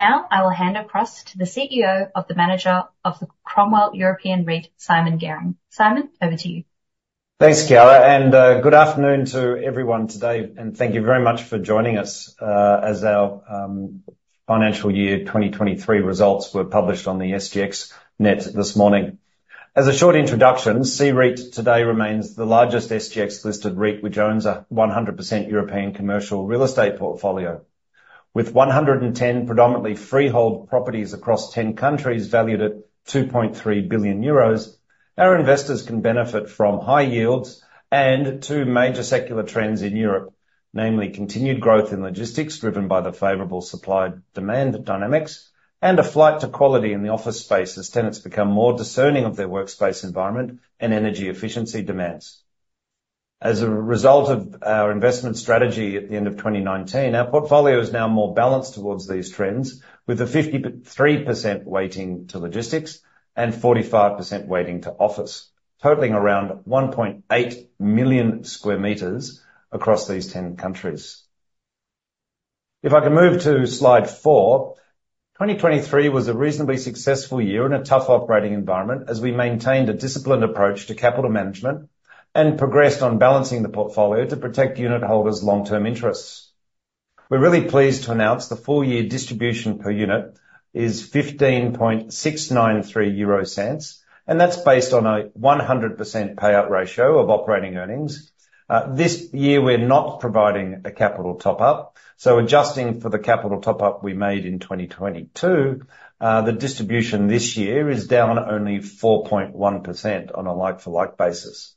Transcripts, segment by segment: Now, I will hand across to the CEO of the Manager of the Cromwell European REIT, Simon Garing. Simon, over to you. Thanks, Kiara, and good afternoon to everyone today, and thank you very much for joining us as our Financial Year 2023 Results were published on the SGXNET this morning. As a short introduction, CEREIT today remains the largest SGX-listed REIT, which owns a 100% European commercial real estate portfolio. With 110 predominantly freehold properties across 10 countries, valued at 2.3 billion euros, our investors can benefit from high yields and two major secular trends in Europe, namely continued growth in logistics, driven by the favorable supply-demand dynamics, and a flight to quality in the office space as tenants become more discerning of their workspace environment and energy efficiency demands. As a result of our investment strategy at the end of 2019, our portfolio is now more balanced towards these trends, with a 53% weighting to logistics and 45% weighting to office, totaling around 1.8 million sqm across these 10 countries. If I can move to slide 4, 2023 was a reasonably successful year in a tough operating environment, as we maintained a disciplined approach to capital management and progressed on balancing the portfolio to protect unit holders' long-term interests. We're really pleased to announce the full year distribution per unit is 15.693 euro, and that's based on a 100% payout ratio of operating earnings. This year, we're not providing a capital top-up, so adjusting for the capital top-up we made in 2022, the distribution this year is down only 4.1% on a like-for-like basis.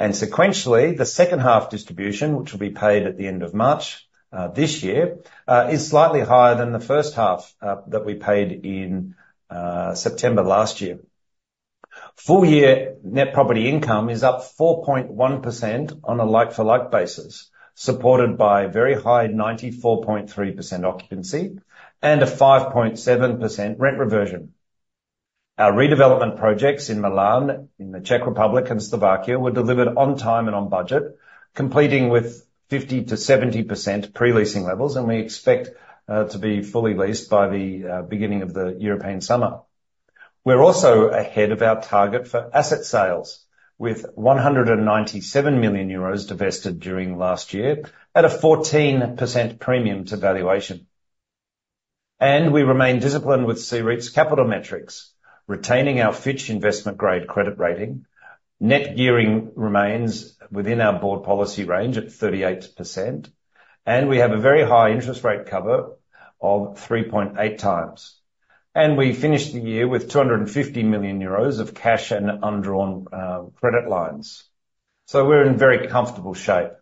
Sequentially, the second half distribution, which will be paid at the end of March this year, is slightly higher than the first half that we paid in September last year. Full-year net property income is up 4.1% on a like-for-like basis, supported by very high 94.3% occupancy and a 5.7% rent reversion. Our redevelopment projects in Milan, in the Czech Republic, and Slovakia were delivered on time and on budget, completing with 50%-70% pre-leasing levels, and we expect to be fully leased by the beginning of the European summer. We're also ahead of our target for asset sales, with 197 million euros divested during last year at a 14% premium to valuation. We remain disciplined with CEREIT's capital metrics, retaining our Fitch investment-grade credit rating. Net gearing remains within our board policy range at 38%, and we have a very high interest rate cover of 3.8x. We finished the year with 250 million euros of cash and undrawn credit lines, so we're in very comfortable shape.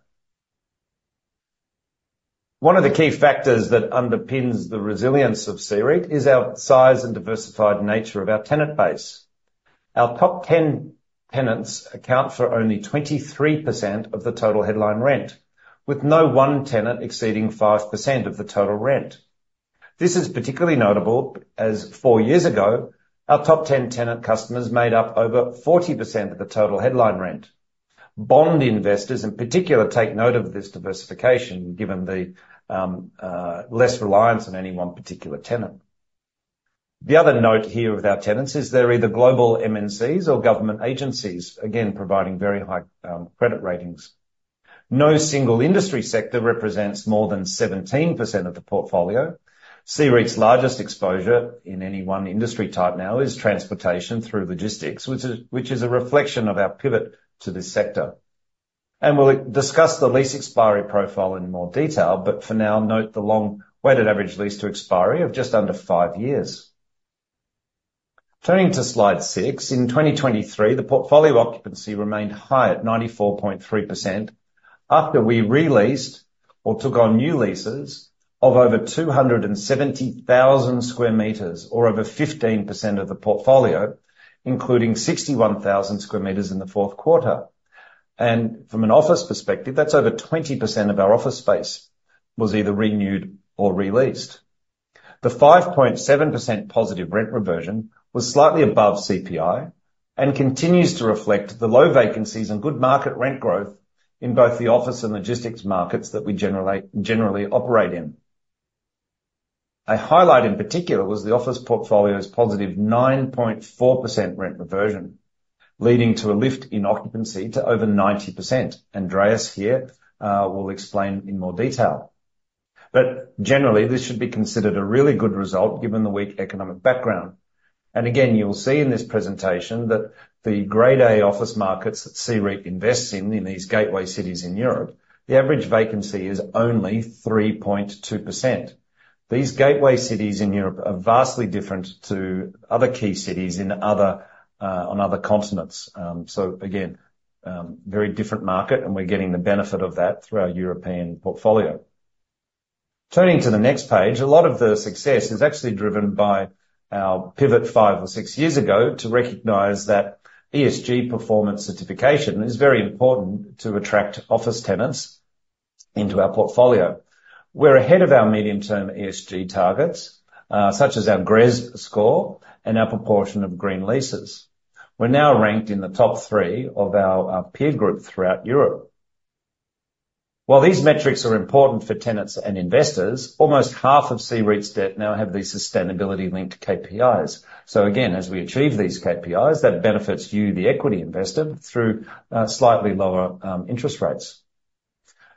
One of the key factors that underpins the resilience of CEREIT is our size and diversified nature of our tenant base. Our top 10 tenants account for only 23% of the total headline rent, with no one tenant exceeding 5% of the total rent. This is particularly notable, as four years ago, our top 10 tenant customers made up over 40% of the total headline rent. Bond investors, in particular, take note of this diversification, given the less reliance on any one particular tenant. The other note here with our tenants is they're either global MNCs or government agencies, again, providing very high credit ratings. No single industry sector represents more than 17% of the portfolio. CEREIT's largest exposure in any one industry type now is transportation through logistics, which is a reflection of our pivot to this sector. And we'll discuss the lease expiry profile in more detail, but for now, note the long weighted average lease to expiry of just under five years. Turning to slide six, in 2023, the portfolio occupancy remained high at 94.3% after we re-leased or took on new leases of over 270,000 sqm or over 15% of the portfolio, including 61,000 sqm in the fourth quarter. And from an office perspective, that's over 20% of our office space was either renewed or re-leased. The 5.7% positive rent reversion was slightly above CPI and continues to reflect the low vacancies and good market rent growth in both the office and logistics markets that we generally operate in. A highlight, in particular, was the office portfolio's positive 9.4% rent reversion, leading to a lift in occupancy to over 90%. Andreas here will explain in more detail. But generally, this should be considered a really good result given the weak economic background. And again, you'll see in this presentation that the Grade A office markets that CEREIT invests in, in these gateway cities in Europe, the average vacancy is only 3.2%. These gateway cities in Europe are vastly different to other key cities in other, on other continents. So again, very different market, and we're getting the benefit of that through our European portfolio. Turning to the next page, a lot of the success is actually driven by our pivot five or six years ago to recognize that ESG performance certification is very important to attract office tenants into our portfolio. We're ahead of our medium-term ESG targets, such as our GRESB score and our proportion of green leases. We're now ranked in the top three of our peer group throughout Europe. While these metrics are important for tenants and investors, almost half of CEREIT's debt now have the sustainability linked KPIs. So again, as we achieve these KPIs, that benefits you, the equity investor, through slightly lower interest rates.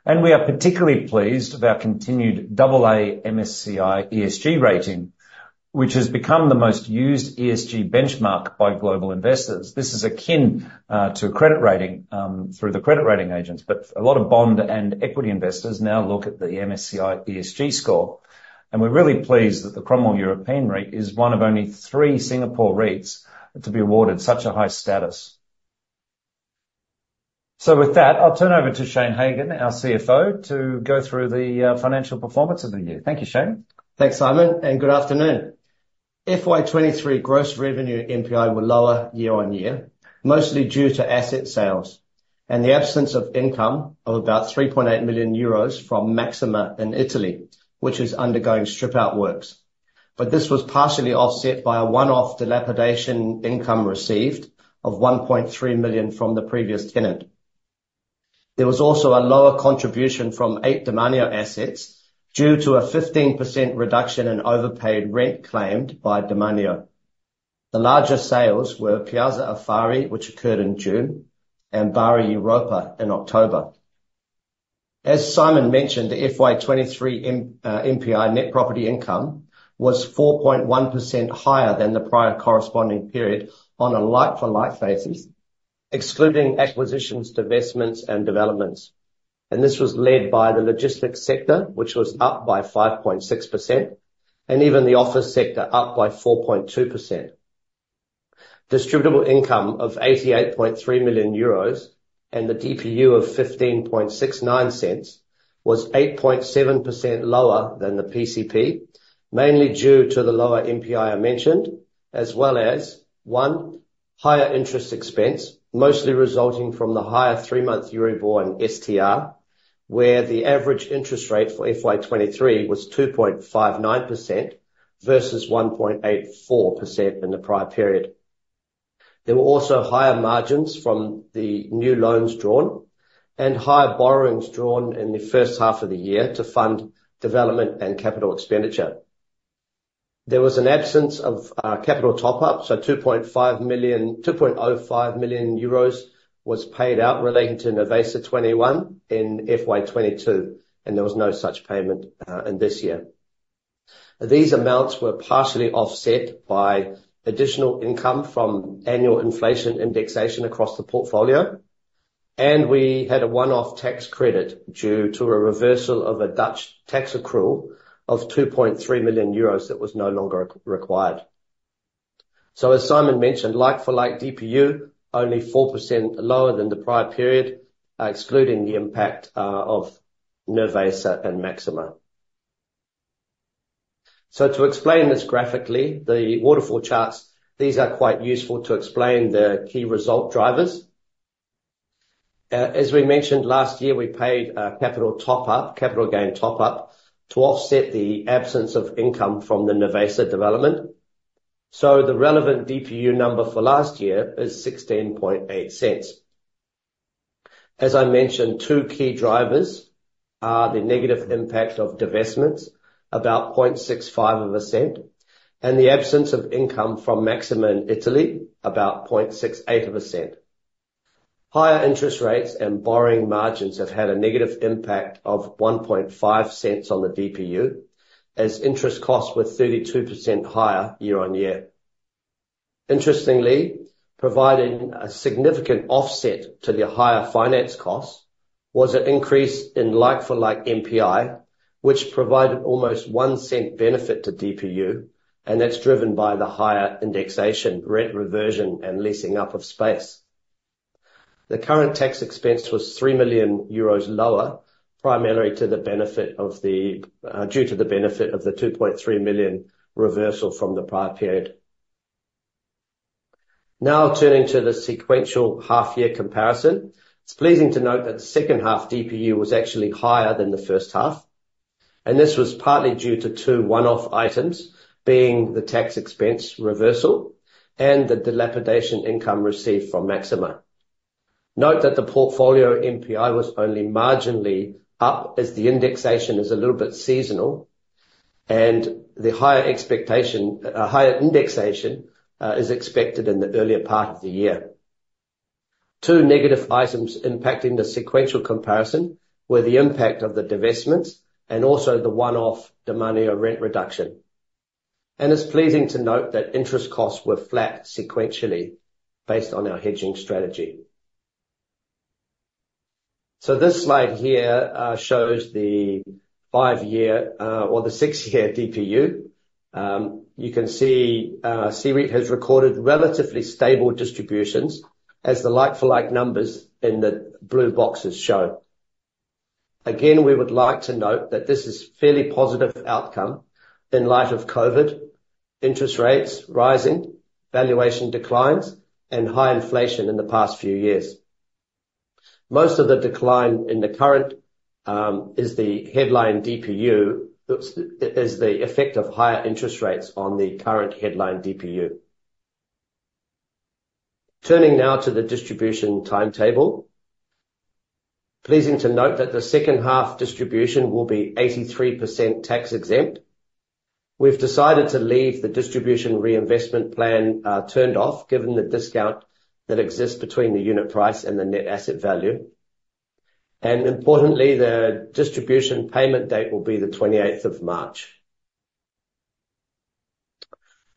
And we are particularly pleased with our continued double A MSCI ESG rating, which has become the most used ESG benchmark by global investors. This is akin to credit rating through the credit rating agents, but a lot of bond and equity investors now look at the MSCI ESG score, and we're really pleased that the Cromwell European REIT is one of only three Singapore REITs to be awarded such a high status. With that, I'll turn over to Shane Hagan, our CFO, to go through the financial performance of the year. Thank you, Shane. Thanks, Simon, and good afternoon. FY 2023 gross revenue NPI were lower year-on-year, mostly due to asset sales and the absence of income of about 3.8 million euros from Maxima in Italy, which is undergoing strip out works. But this was partially offset by a one-off dilapidation income received of 1.3 million from the previous tenant. There was also a lower contribution from eight Demanio assets due to a 15% reduction in overpaid rent claimed by Demanio. The larger sales were Piazza Affari, which occurred in June, and Bari Europa in October. As Simon mentioned, the FY 2023 NPI, net property income, was 4.1% higher than the prior corresponding period on a like-for-like basis, excluding acquisitions, divestments, and developments. This was led by the logistics sector, which was up by 5.6%, and even the office sector, up by 4.2%. Distributable income of 88.3 million euros and the DPU of 15.69 was 8.7% lower than the PCP, mainly due to the lower NPI I mentioned, as well as, 1, higher interest expense, mostly resulting from the higher three-month Euribor and €STR, where the average interest rate for FY 2023 was 2.59% versus 1.84% in the prior period. There were also higher margins from the new loans drawn and higher borrowings drawn in the first half of the year to fund development and capital expenditure. There was an absence of capital top-up, so 2.05 million euros was paid out relating to Nervesa 21 in FY 2022, and there was no such payment in this year. These amounts were partially offset by additional income from annual inflation indexation across the portfolio, and we had a one-off tax credit due to a reversal of a Dutch tax accrual of 2.3 million euros that was no longer required. So as Simon mentioned, like-for-like DPU only 4% lower than the prior period, excluding the impact of Nervesa and Maxima. So to explain this graphically, the waterfall charts, these are quite useful to explain the key result drivers. As we mentioned last year, we paid a capital top-up, capital gain top-up, to offset the absence of income from the Nervesa development. The relevant DPU number for last year is 16.8. As I mentioned, two key drivers are the negative impact of divestments, about 0.65, and the absence of income from Maxima in Italy, about 0.68. Higher interest rates and borrowing margins have had a negative impact of 1.5 on the DPU, as interest costs were 32% higher year-on-year. Interestingly, providing a significant offset to the higher finance costs, was an increase in like-for-like NPI, which provided almost 0.1 benefit to DPU, and that's driven by the higher indexation, rent reversion, and leasing up of space. The current tax expense was 3 million euros lower, primarily to the benefit of the, due to the benefit of the 2.3 million reversal from the prior period. Now, turning to the sequential half-year comparison, it's pleasing to note that the second half DPU was actually higher than the first half, and this was partly due to two one-off items, being the tax expense reversal and the dilapidation income received from Maxima. Note that the portfolio NPI was only marginally up, as the indexation is a little bit seasonal, and the higher expectation, higher indexation, is expected in the earlier part of the year. Two negative items impacting the sequential comparison were the impact of the divestments and also the one-off Demanio rent reduction. And it's pleasing to note that interest costs were flat sequentially based on our hedging strategy. So this slide here, shows the five-year, or the six-year DPU. You can see, CEREIT has recorded relatively stable distributions as the like-for-like numbers in the blue boxes show. Again, we would like to note that this is fairly positive outcome in light of COVID, interest rates rising, valuation declines, and high inflation in the past few years. Most of the decline in the current is the headline DPU is the effect of higher interest rates on the current headline DPU. Turning now to the distribution timetable. Pleasing to note that the second half distribution will be 83% tax-exempt. We've decided to leave the distribution reinvestment plan turned off, given the discount that exists between the unit price and the net asset value. Importantly, the distribution payment date will be the twenty-eighth of March.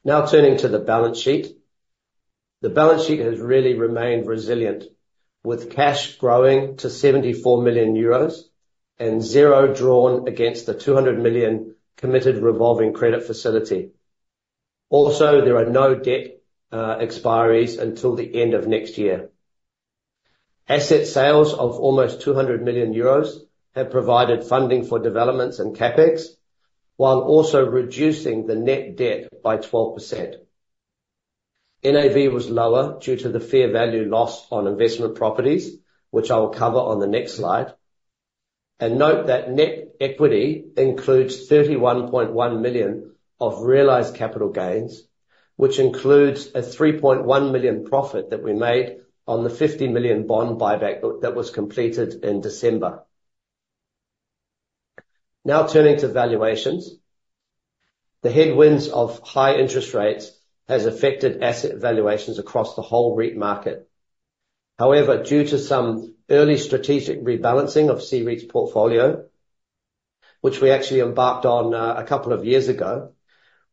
Now turning to the balance sheet. The balance sheet has really remained resilient, with cash growing to 74 million euros and zero drawn against the 200 million committed revolving credit facility. Also, there are no debt expiries until the end of next year. Asset sales of almost 200 million euros have provided funding for developments and CapEx, while also reducing the net debt by 12%. NAV was lower due to the fair value loss on investment properties, which I will cover on the next slide. Note that net equity includes 31.1 million of realized capital gains, which includes a 3.1 million profit that we made on the 50 million bond buyback that was completed in December. Now turning to valuations. The headwinds of high interest rates has affected asset valuations across the whole REIT market. However, due to some early strategic rebalancing of CEREIT's portfolio, which we actually embarked on a couple of years ago,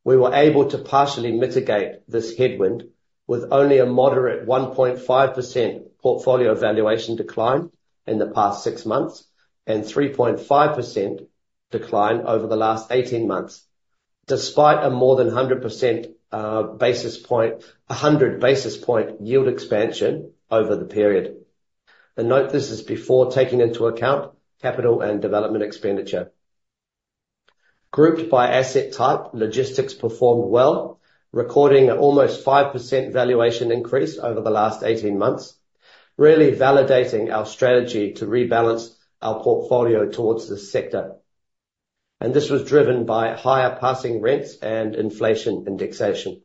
we were able to partially mitigate this headwind with only a moderate 1.5% portfolio valuation decline in the past 6 months, and 3.5% decline over the last 18 months, despite a more than 100% basis point, 100 basis point yield expansion over the period. Note, this is before taking into account capital and development expenditure. Grouped by asset type, logistics performed well, recording an almost 5% valuation increase over the last 18 months, really validating our strategy to rebalance our portfolio towards this sector. This was driven by higher passing rents and inflation indexation.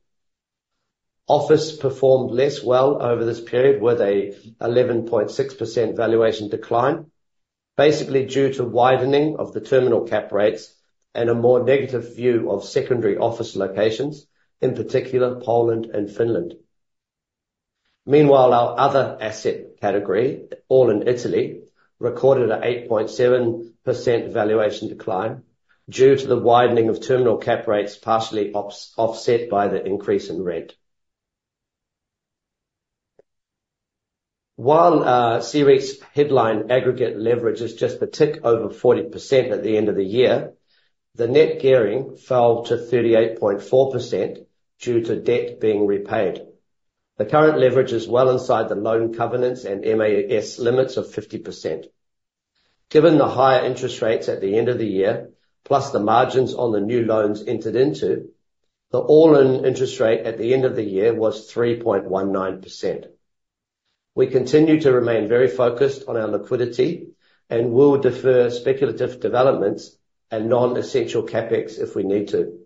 Office performed less well over this period, with an 11.6% valuation decline, basically due to widening of the terminal cap rates and a more negative view of secondary office locations, in particular Poland and Finland. Meanwhile, our other asset category, all in Italy, recorded an 8.7% valuation decline due to the widening of terminal cap rates, partially offset by the increase in rent. While CEREIT's headline aggregate leverage is just a tick over 40% at the end of the year, the net gearing fell to 38.4% due to debt being repaid. The current leverage is well inside the loan covenants and MAS limits of 50%. Given the higher interest rates at the end of the year, plus the margins on the new loans entered into, the all-in interest rate at the end of the year was 3.19%. We continue to remain very focused on our liquidity and will defer speculative developments and non-essential CapEx if we need to.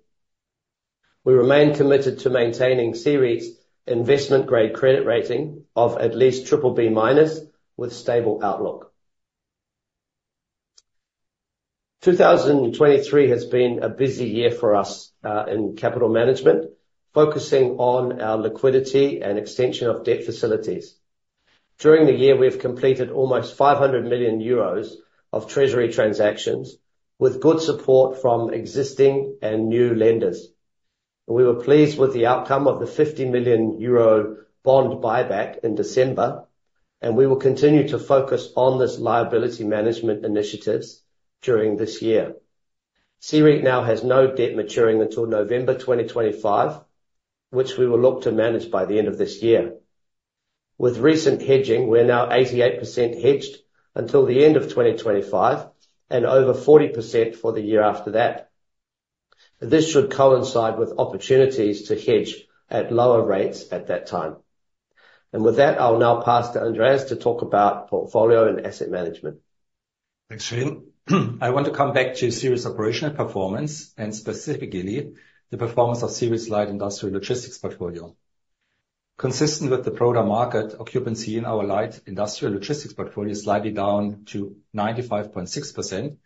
We remain committed to maintaining CEREIT's investment-grade credit rating of at least BBB- with stable outlook. 2023 has been a busy year for us in capital management, focusing on our liquidity and extension of debt facilities. During the year, we've completed almost 500 million euros of treasury transactions, with good support from existing and new lenders. We were pleased with the outcome of the 50 million euro bond buyback in December, and we will continue to focus on this liability management initiatives during this year. CEREIT now has no debt maturing until November 2025, which we will look to manage by the end of this year. With recent hedging, we're now 88% hedged until the end of 2025, and over 40% for the year after that. This should coincide with opportunities to hedge at lower rates at that time. And with that, I'll now pass to Andreas to talk about portfolio and asset management. Thanks, Shane. I want to come back to CEREIT's operational performance and specifically the performance of CEREIT's light industrial logistics portfolio. Consistent with the broader market, occupancy in our light industrial logistics portfolio is slightly down to 95.6%,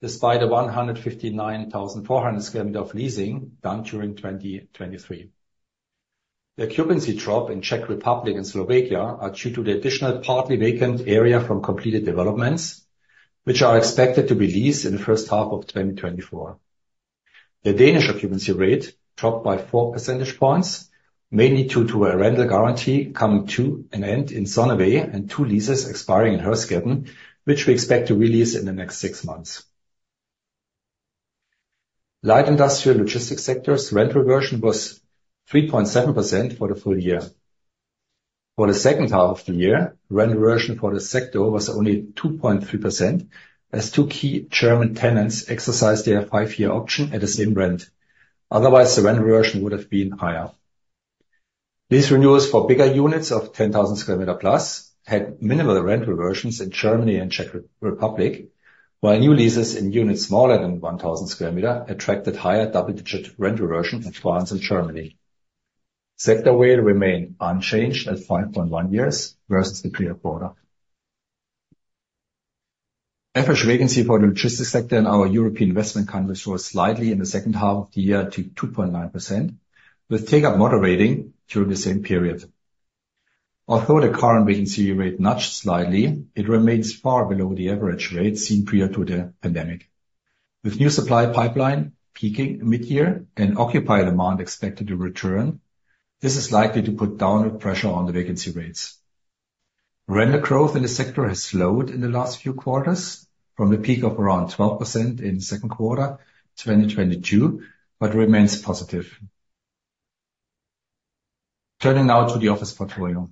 despite the 159,400 sqm of leasing done during 2023. The occupancy drop in Czech Republic and Slovakia are due to the additional partly vacant area from completed developments, which are expected to be leased in the first half of 2024. The Danish occupancy rate dropped by 4 percentage points, mainly due to a rental guarantee coming to an end in Sonnevej and two leases expiring in Herskind, which we expect to re-lease in the next six months. Light industrial logistics sector's rent reversion was 3.7% for the full year. For the second half of the year, rent reversion for the sector was only 2.3%, as two key German tenants exercised their 5-year option at the same rent. Otherwise, the rent reversion would have been higher. These renewals for bigger units of 10,000 sqm plus had minimal rent reversions in Germany and Czech Republic, while new leases in units smaller than 1,000 sqm attracted higher double-digit rent reversion in France and Germany. Sector wide remained unchanged at 5.1 years versus the period quarter. Average vacancy for the logistics sector in our European investment countries was slightly in the second half of the year to 2.9%, with take-up moderating during the same period. Although the current vacancy rate nudged slightly, it remains far below the average rate seen prior to the pandemic. With new supply pipeline peaking mid-year and occupier demand expected to return, this is likely to put downward pressure on the vacancy rates. Rental growth in the sector has slowed in the last few quarters from a peak of around 12% in the second quarter, 2022, but remains positive. Turning now to the office portfolio.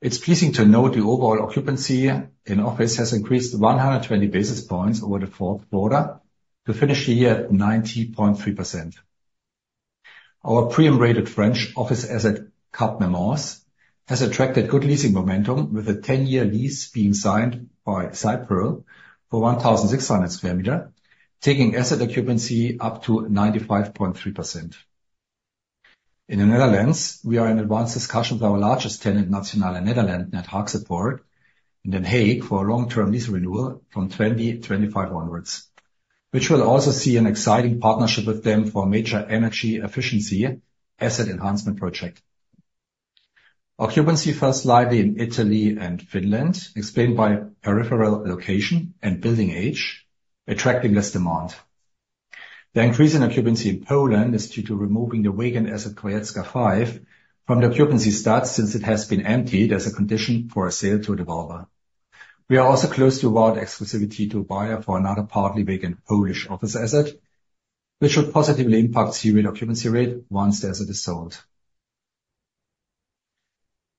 It's pleasing to note the overall occupancy in office has increased 120 basis points over the fourth quarter to finish the year at 90.3%. Our BREEAM-rated French office asset, Cap Mermoz, has attracted good leasing momentum, with a 10-year lease being signed by Sipro for 1,600 square meter, taking asset occupancy up to 95.3%. In the Netherlands, we are in advanced discussions with our largest tenant, Nationale Nederlanden, at Haagse Poort, and in The Hague for a long-term lease renewal from 2025 onwards, which will also see an exciting partnership with them for a major energy efficiency asset enhancement project. Occupancy fell slightly in Italy and Finland, explained by peripheral location and building age, attracting less demand. The increase in occupancy in Poland is due to removing the vacant asset, Grójecka 5, from the occupancy stats since it has been emptied as a condition for a sale to a developer. We are also close to award exclusivity to a buyer for another partly vacant Polish office asset, which will positively impact CEREIT's occupancy rate once the asset is sold.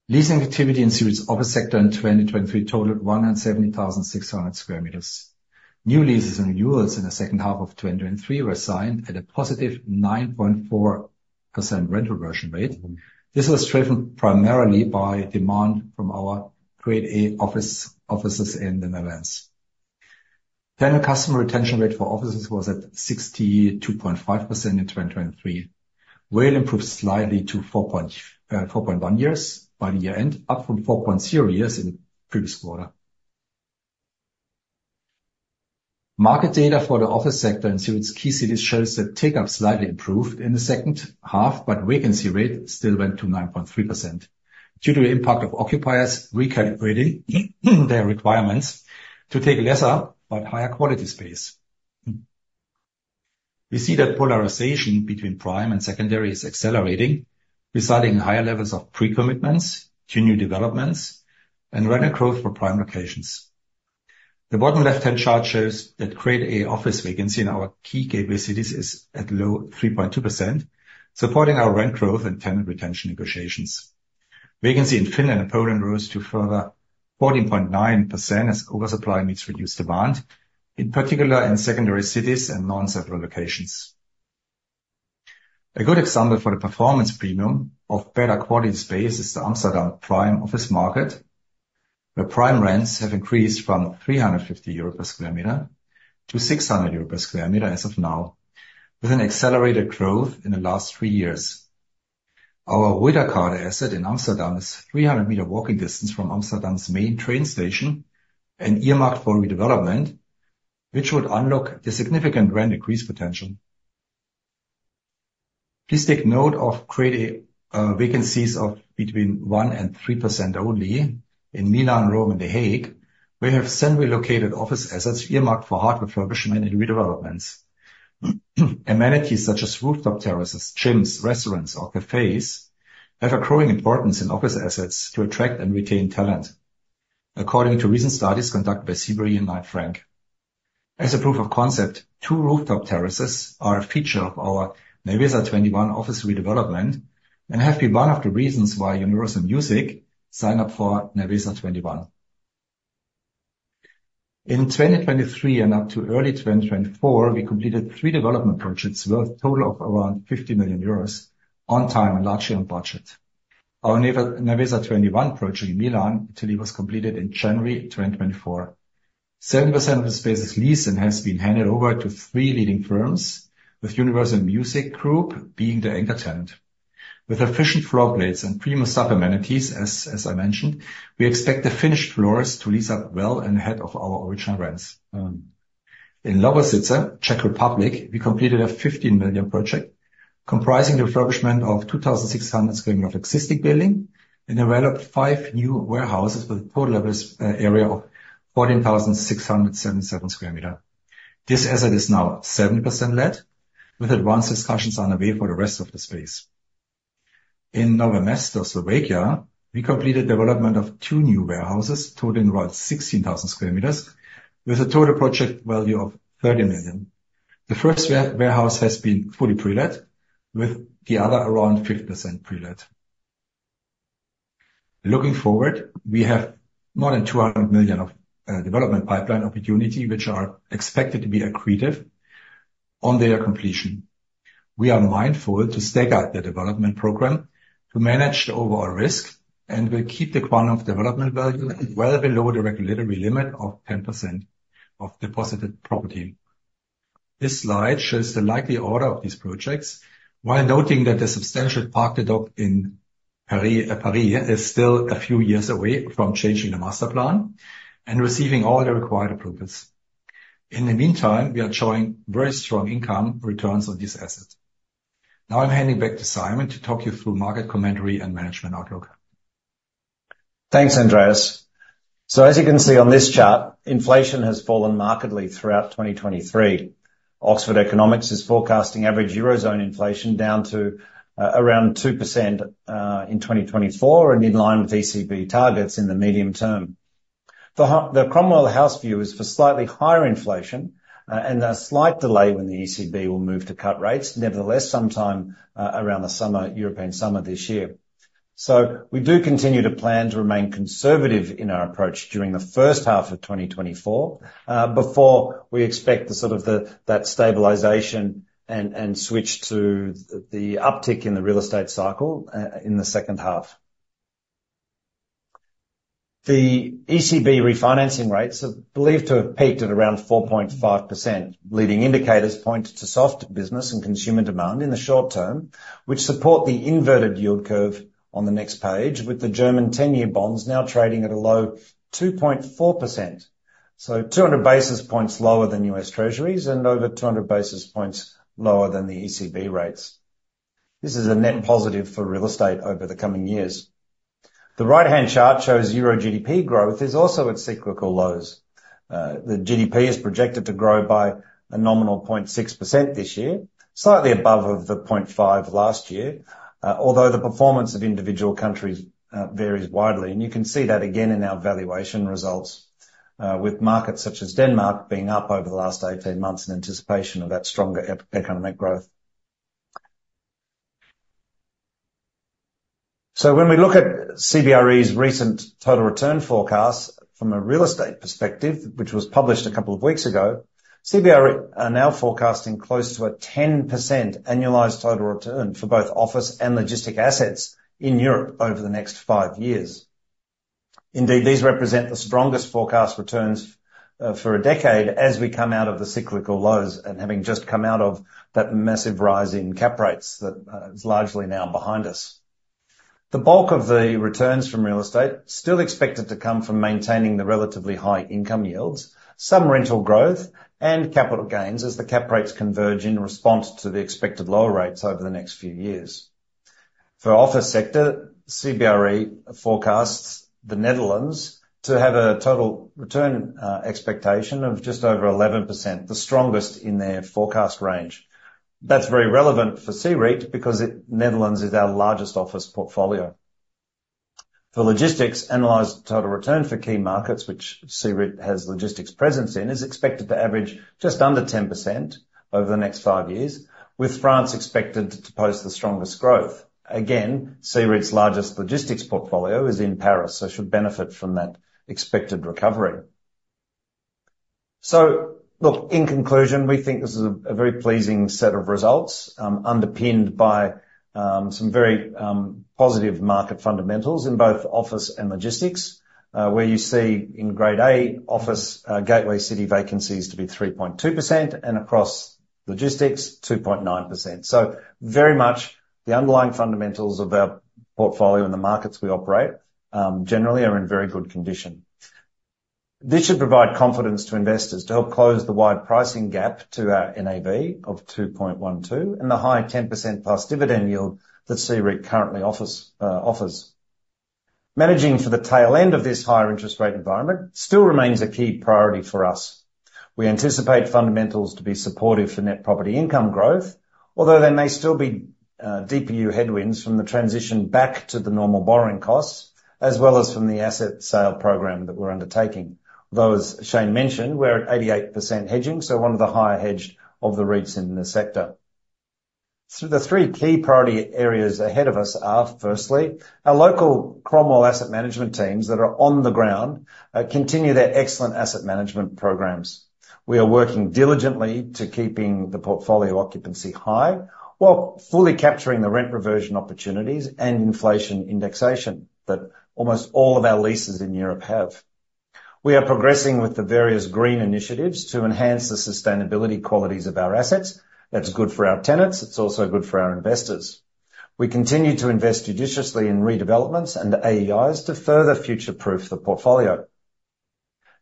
Leasing activity in CEREIT's office sector in 2023 totaled 170,600 sqm. New leases and renewals in the second half of 2023 were signed at a positive 9.4% rental reversion rate. This was driven primarily by demand from our Grade A office, offices in the Netherlands. Tenant customer retention rate for offices was at 62.5% in 2023, while improved slightly to 4.1 years by the year end, up from 4.0 years in the previous quarter. Market data for the office sector in Zurich's key cities shows that take-up slightly improved in the second half, but vacancy rate still went to 9.3% due to the impact of occupiers recalibrating their requirements to take lesser but higher quality space. We see that polarization between prime and secondary is accelerating, resulting in higher levels of pre-commitments to new developments and rental growth for prime locations. The bottom left-hand chart shows that Grade A office vacancy in our key gateway cities is at low 3.2%, supporting our rent growth and tenant retention negotiations. Vacancy in Finland and Poland rose to further 14.9% as oversupply meets reduced demand, in particular in secondary cities and non-central locations. A good example for the performance premium of better quality space is the Amsterdam prime office market, where prime rents have increased from 350 euro per sqm to 600 euro per sqm as of now, with an accelerated growth in the last three years. Our Ruyterkade asset in Amsterdam is 300-meter walking distance from Amsterdam's main train station and earmarked for redevelopment, which would unlock the significant rent increase potential. Please take note of Grade A vacancies of between 1% and 3% only in Milan, Rome, and The Hague. We have centrally located office assets earmarked for hard refurbishment and redevelopments. Amenities such as rooftop terraces, gyms, restaurants, or cafes, have a growing importance in office assets to attract and retain talent, according to recent studies conducted by CBRE and Knight Frank. As a proof of concept, two rooftop terraces are a feature of our Nervesa 21 office redevelopment and have been one of the reasons why Universal Music signed up for Nervesa 21. In 2023 and up to early 2024, we completed 3 development projects worth a total of around 50 million euros on time and largely on budget. Our Nervesa 21 project in Milan, Italy, was completed in January 2024. 7% of the space is leased and has been handed over to three leading firms, with Universal Music Group being the anchor tenant. With efficient floor plates and premium sub amenities, as I mentioned, we expect the finished floors to lease up well and ahead of our original rents. In Lovosice, Czech Republic, we completed a 15 million project comprising the refurbishment of 2,600 sqm of existing building and developed five new warehouses with a total area of 14,677 sqm. This asset is now 7% let, with advanced discussions underway for the rest of the space. In Nové Mesto, Slovakia, we completed development of two new warehouses, totaling around 16,000 sqm, with a total project value of 30 million. The first warehouse has been fully pre-let, with the other around 50% pre-let. Looking forward, we have more than 200 million of development pipeline opportunity, which are expected to be accretive on their completion. We are mindful to stake out the development program to manage the overall risk, and we'll keep the quantum development value well below the regulatory limit of 10% of deposited property. This slide shows the likely order of these projects, while noting that the substantial Parc des Docks in Paris is still a few years away from changing the master plan and receiving all the required approvals. In the meantime, we are showing very strong income returns on this asset. Now I'm handing back to Simon to talk you through market commentary and management outlook. Thanks, Andreas. So as you can see on this chart, inflation has fallen markedly throughout 2023. Oxford Economics is forecasting average Eurozone inflation down to around 2%, in 2024, and in line with ECB targets in the medium term. The the Cromwell House view is for slightly higher inflation and a slight delay when the ECB will move to cut rates. Nevertheless, sometime around the summer, European summer this year. So we do continue to plan to remain conservative in our approach during the first half of 2024, before we expect that stabilization and switch to the uptick in the real estate cycle in the second half. The ECB refinancing rates are believed to have peaked at around 4.5%. Leading indicators point to soft business and consumer demand in the short term, which support the inverted yield curve on the next page, with the German 10-year bonds now trading at a low 2.4%, so 200 basis points lower than U.S. Treasuries, and over 200 basis points lower than the ECB rates. This is a net positive for real estate over the coming years. The right-hand chart shows Euro GDP growth is also at cyclical lows. The GDP is projected to grow by a nominal 0.6% this year, slightly above the 0.5% last year, although the performance of individual countries varies widely. And you can see that again in our valuation results, with markets such as Denmark being up over the last 18 months in anticipation of that stronger economic growth. So when we look at CBRE's recent total return forecast from a real estate perspective, which was published a couple of weeks ago, CBRE are now forecasting close to a 10% annualized total return for both office and logistic assets in Europe over the next five years. Indeed, these represent the strongest forecast returns for a decade as we come out of the cyclical lows, and having just come out of that massive rise in cap rates that is largely now behind us. The bulk of the returns from real estate still expected to come from maintaining the relatively high income yields, some rental growth, and capital gains as the cap rates converge in response to the expected lower rates over the next few years. For office sector, CBRE forecasts the Netherlands to have a total return expectation of just over 11%, the strongest in their forecast range. That's very relevant for CEREIT, because Netherlands is our largest office portfolio. For logistics, analyzed total return for key markets, which CEREIT has logistics presence in, is expected to average just under 10% over the next five years, with France expected to post the strongest growth. Again, CEREIT's largest logistics portfolio is in Paris, so should benefit from that expected recovery. So look, in conclusion, we think this is a very pleasing set of results, underpinned by some very positive market fundamentals in both office and logistics, where you see in Grade A office gateway city vacancies to be 3.2%, and across logistics, 2.9%. So very much the underlying fundamentals of our portfolio and the markets we operate generally are in very good condition. This should provide confidence to investors to help close the wide pricing gap to our NAV of 2.12, and the high 10%+ dividend yield that CEREIT currently offers. Managing for the tail end of this higher interest rate environment still remains a key priority for us. We anticipate fundamentals to be supportive for net property income growth, although there may still be DPU headwinds from the transition back to the normal borrowing costs, as well as from the asset sale program that we're undertaking. Although, as Shane mentioned, we're at 88% hedging, so one of the higher hedged of the REITs in the sector. So the three key priority areas ahead of us are, firstly, our local Cromwell asset management teams that are on the ground continue their excellent asset management programs. We are working diligently to keeping the portfolio occupancy high, while fully capturing the rent reversion opportunities and inflation indexation that almost all of our leases in Europe have. We are progressing with the various green initiatives to enhance the sustainability qualities of our assets. That's good for our tenants, it's also good for our investors. We continue to invest judiciously in redevelopments and AEIs to further future-proof the portfolio.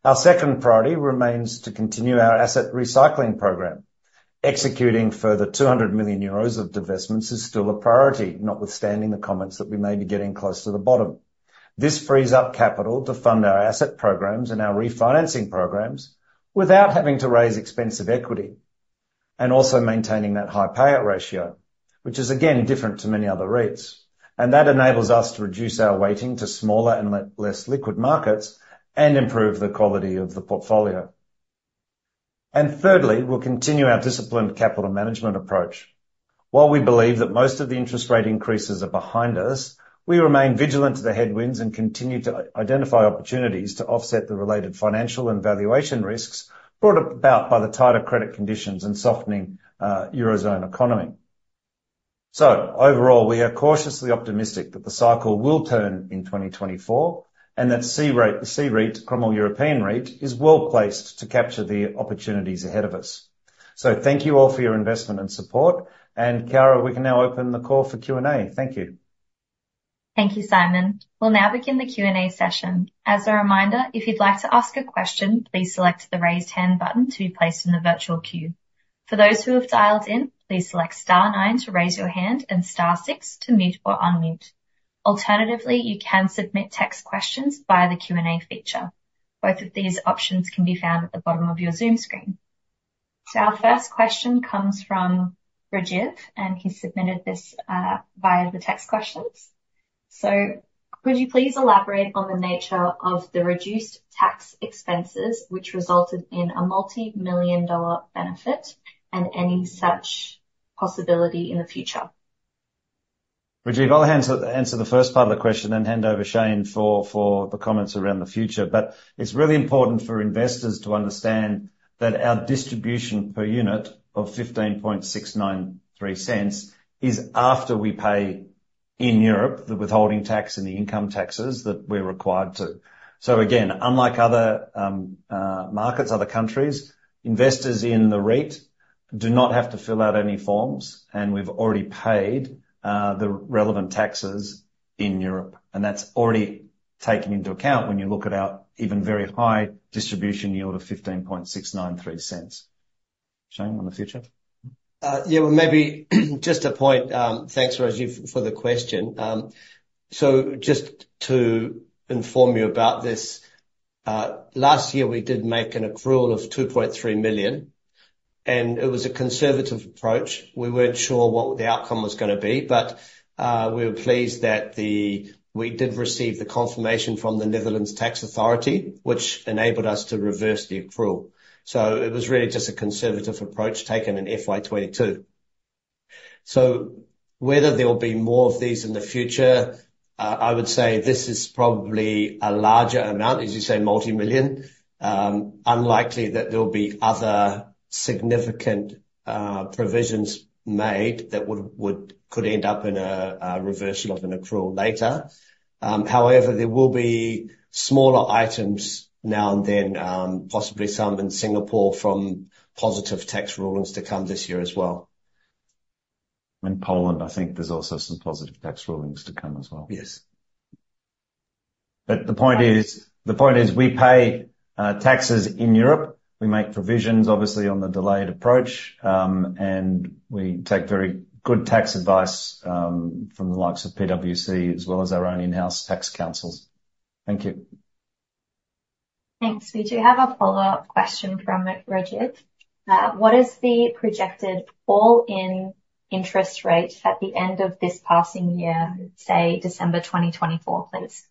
Our second priority remains to continue our asset recycling program. Executing further 200 million euros of divestments is still a priority, notwithstanding the comments that we may be getting close to the bottom. This frees up capital to fund our asset programs and our refinancing programs without having to raise expensive equity, and also maintaining that high payout ratio, which is again, different to many other REITs, and that enables us to reduce our weighting to smaller and less liquid markets, and improve the quality of the portfolio. And thirdly, we'll continue our disciplined capital management approach. While we believe that most of the interest rate increases are behind us, we remain vigilant to the headwinds and continue to identify opportunities to offset the related financial and valuation risks brought about by the tighter credit conditions and softening Eurozone economy. So overall, we are cautiously optimistic that the cycle will turn in 2024, and that CEREIT, the CEREIT, Cromwell European REIT, is well-placed to capture the opportunities ahead of us. So thank you all for your investment and support. Kiara, we can now open the call for Q&A. Thank you. Thank you, Simon. We'll now begin the Q&A session. As a reminder, if you'd like to ask a question, please select the Raise Hand button to be placed in the virtual queue. For those who have dialed in, please select star nine to raise your hand and star six to mute or unmute. Alternatively, you can submit text questions via the Q&A feature. Both of these options can be found at the bottom of your Zoom screen. Our first question comes from Rajiv, and he submitted this via the text questions. Could you please elaborate on the nature of the reduced tax expenses, which resulted in a multimillion-dollar benefit, and any such possibility in the future? Rajiv, I'll answer the first part of the question, then hand over Shane for the comments around the future. But it's really important for investors to understand that our distribution per unit of 15,693 is after we pay in Europe, the withholding tax and the income taxes that we're required to. So again, unlike other markets, other countries, investors in the REIT do not have to fill out any forms, and we've already paid the relevant taxes in Europe, and that's already taken into account when you look at our even very high distribution yield of 15.693. Shane, on the future? Yeah, well, maybe just a point. Thanks, Rajiv, for the question. So just to inform you about this, last year, we did make an accrual of 2.3 million, and it was a conservative approach. We weren't sure what the outcome was gonna be, but we were pleased that we did receive the confirmation from the Netherlands Tax Authority, which enabled us to reverse the accrual. So it was really just a conservative approach taken in FY 2022. So whether there will be more of these in the future, I would say this is probably a larger amount, as you say, multimillion. Unlikely that there will be other significant provisions made that would could end up in a reversal of an accrual later. However, there will be smaller items now and then, possibly some in Singapore from positive tax rulings to come this year as well. In Poland, I think there's also some positive tax rulings to come as well. Yes. But the point is, the point is we pay taxes in Europe. We make provisions, obviously, on the delayed approach, and we take very good tax advice from the likes of PwC, as well as our own in-house tax counsels. Thank you. Thanks. We do have a follow-up question from Rajiv. What is the projected all-in interest rate at the end of this passing year, say, December 2024, please?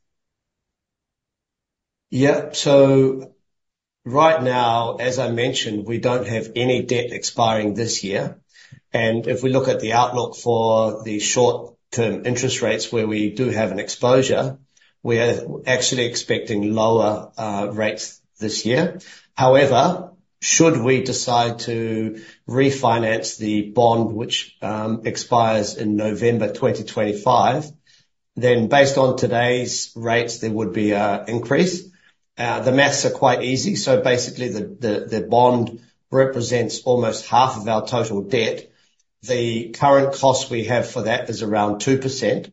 Yeah. So right now, as I mentioned, we don't have any debt expiring this year. And if we look at the outlook for the short-term interest rates, where we do have an exposure, we are actually expecting lower rates this year. However, should we decide to refinance the bond, which expires in November 2025, then based on today's rates, there would be an increase. The math is quite easy. So basically, the bond represents almost half of our total debt. The current cost we have for that is around 2%.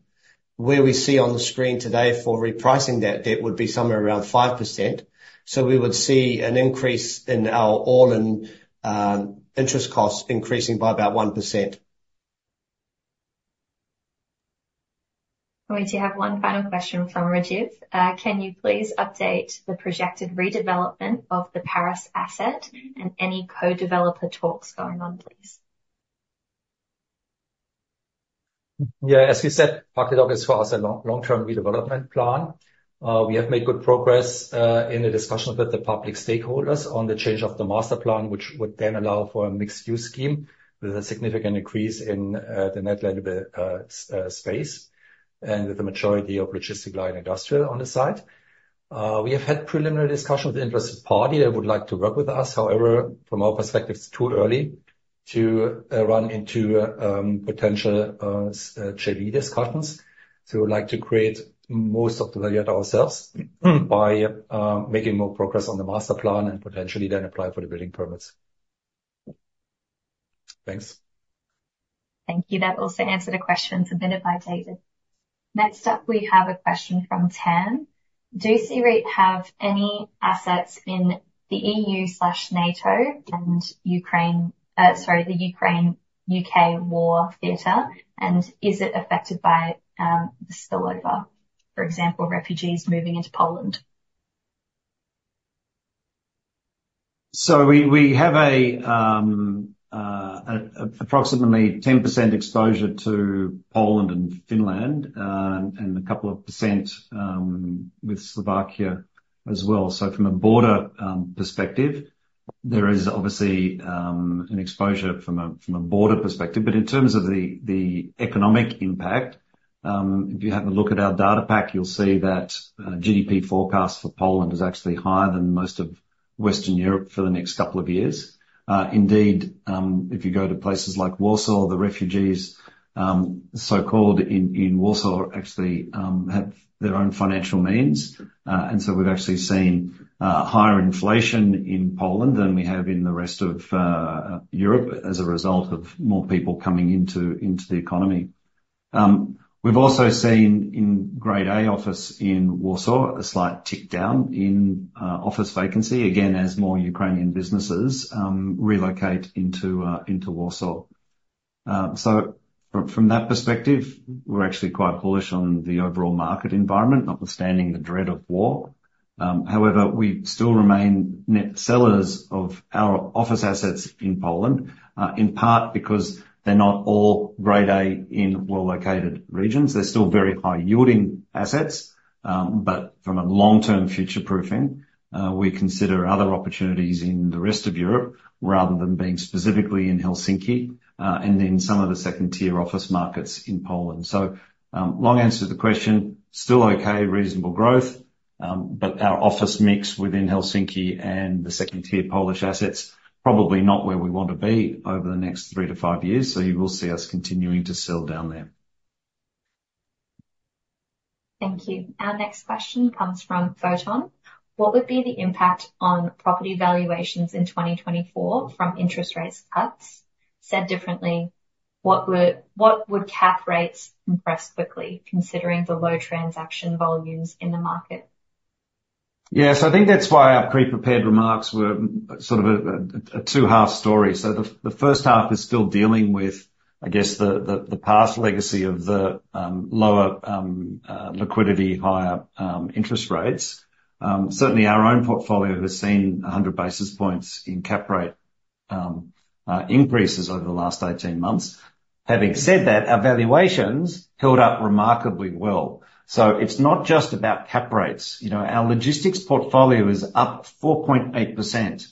Where we see on the screen today for repricing that debt would be somewhere around 5%. So we would see an increase in our all-in interest costs increasing by about 1%. We do have one final question from Rajiv. Can you please update the projected redevelopment of the Paris asset and any co-developer talks going on, please? Yeah, as we said, Parc des Loges is for us a long, long-term redevelopment plan. We have made good progress in the discussion with the public stakeholders on the change of the master plan, which would then allow for a mixed-use scheme with a significant increase in the net land space, and with the majority of logistics light industrial on the site. We have had preliminary discussions with the interested party; they would like to work with us. However, from our perspective, it's too early to run into potential JV discussions. So we would like to create most of the value ourselves by making more progress on the master plan and potentially then apply for the building permits. Thanks. Thank you. That also answered a question submitted by David. Next up, we have a question from Tan: Do you see REIT have any assets in the EU/NATO and Ukraine, sorry, the Ukraine-Russia war theater, and is it affected by the spillover, for example, refugees moving into Poland? So we have approximately 10% exposure to Poland and Finland, and a couple of % with Slovakia as well. So from a border perspective, there is obviously an exposure from a border perspective, but in terms of the economic impact, if you have a look at our data pack, you'll see that GDP forecast for Poland is actually higher than most of Western Europe for the next couple of years. Indeed, if you go to places like Warsaw, the refugees, so-called in Warsaw, actually have their own financial means. And so we've actually seen higher inflation in Poland than we have in the rest of Europe as a result of more people coming into the economy. We've also seen in Grade A office in Warsaw, a slight tick down in office vacancy, again, as more Ukrainian businesses relocate into Warsaw. So from that perspective, we're actually quite bullish on the overall market environment, notwithstanding the dread of war. However, we still remain net sellers of our office assets in Poland, in part because they're not all Grade A in well-located regions. They're still very high-yielding assets, but from a long-term future proofing, we consider other opportunities in the rest of Europe, rather than being specifically in Helsinki, and in some of the second-tier office markets in Poland. So, long answer to the question, still okay, reasonable growth, but our office mix within Helsinki and the second-tier Polish assets, probably not where we want to be over the next 3-5 years, so you will see us continuing to sell down there. Thank you. Our next question comes from Photon. What would be the impact on property valuations in 2024 from interest rate cuts? Said differently, what would, what would cap rates compress quickly considering the low transaction volumes in the market? Yeah, so I think that's why our pre-prepared remarks were sort of a two-half story. So the first half is still dealing with, I guess, the past legacy of the lower liquidity, higher interest rates. Certainly our own portfolio has seen 100 basis points in cap rate increases over the last 18 months. Having said that, our valuations held up remarkably well. So it's not just about cap rates. You know, our logistics portfolio is up 4.8%.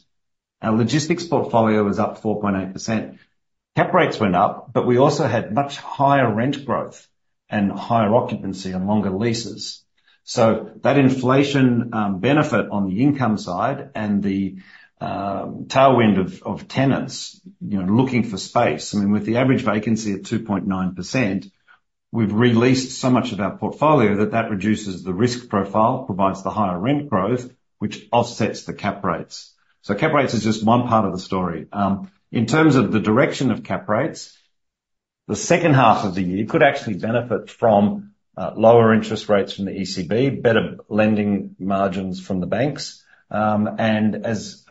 Our logistics portfolio is up 4.8%. Cap rates went up, but we also had much higher rent growth and higher occupancy and longer leases. So that inflation benefit on the income side and the tailwind of tenants, you know, looking for space, I mean, with the average vacancy at 2.9%, we've re-leased so much of our portfolio that that reduces the risk profile, provides the higher rent growth, which offsets the cap rates. So cap rates is just one part of the story. In terms of the direction of cap rates, the second half of the year could actually benefit from lower interest rates from the ECB, better lending margins from the banks. And as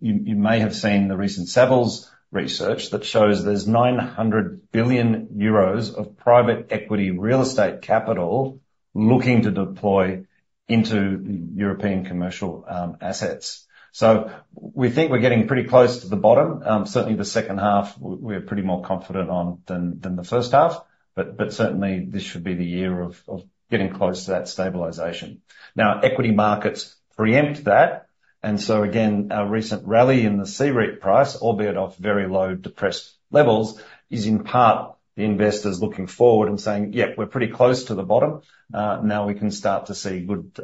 you may have seen the recent Savills research, that shows there's 900 billion euros of private equity real estate capital looking to deploy into European commercial assets. So we think we're getting pretty close to the bottom. Certainly the second half, we're pretty more confident on than the first half, but certainly this should be the year of getting close to that stabilization. Now, equity markets preempt that, and so again, our recent rally in the CEREIT price, albeit off very low depressed levels, is in part the investors looking forward and saying, "Yeah, we're pretty close to the bottom. Now we can start to see good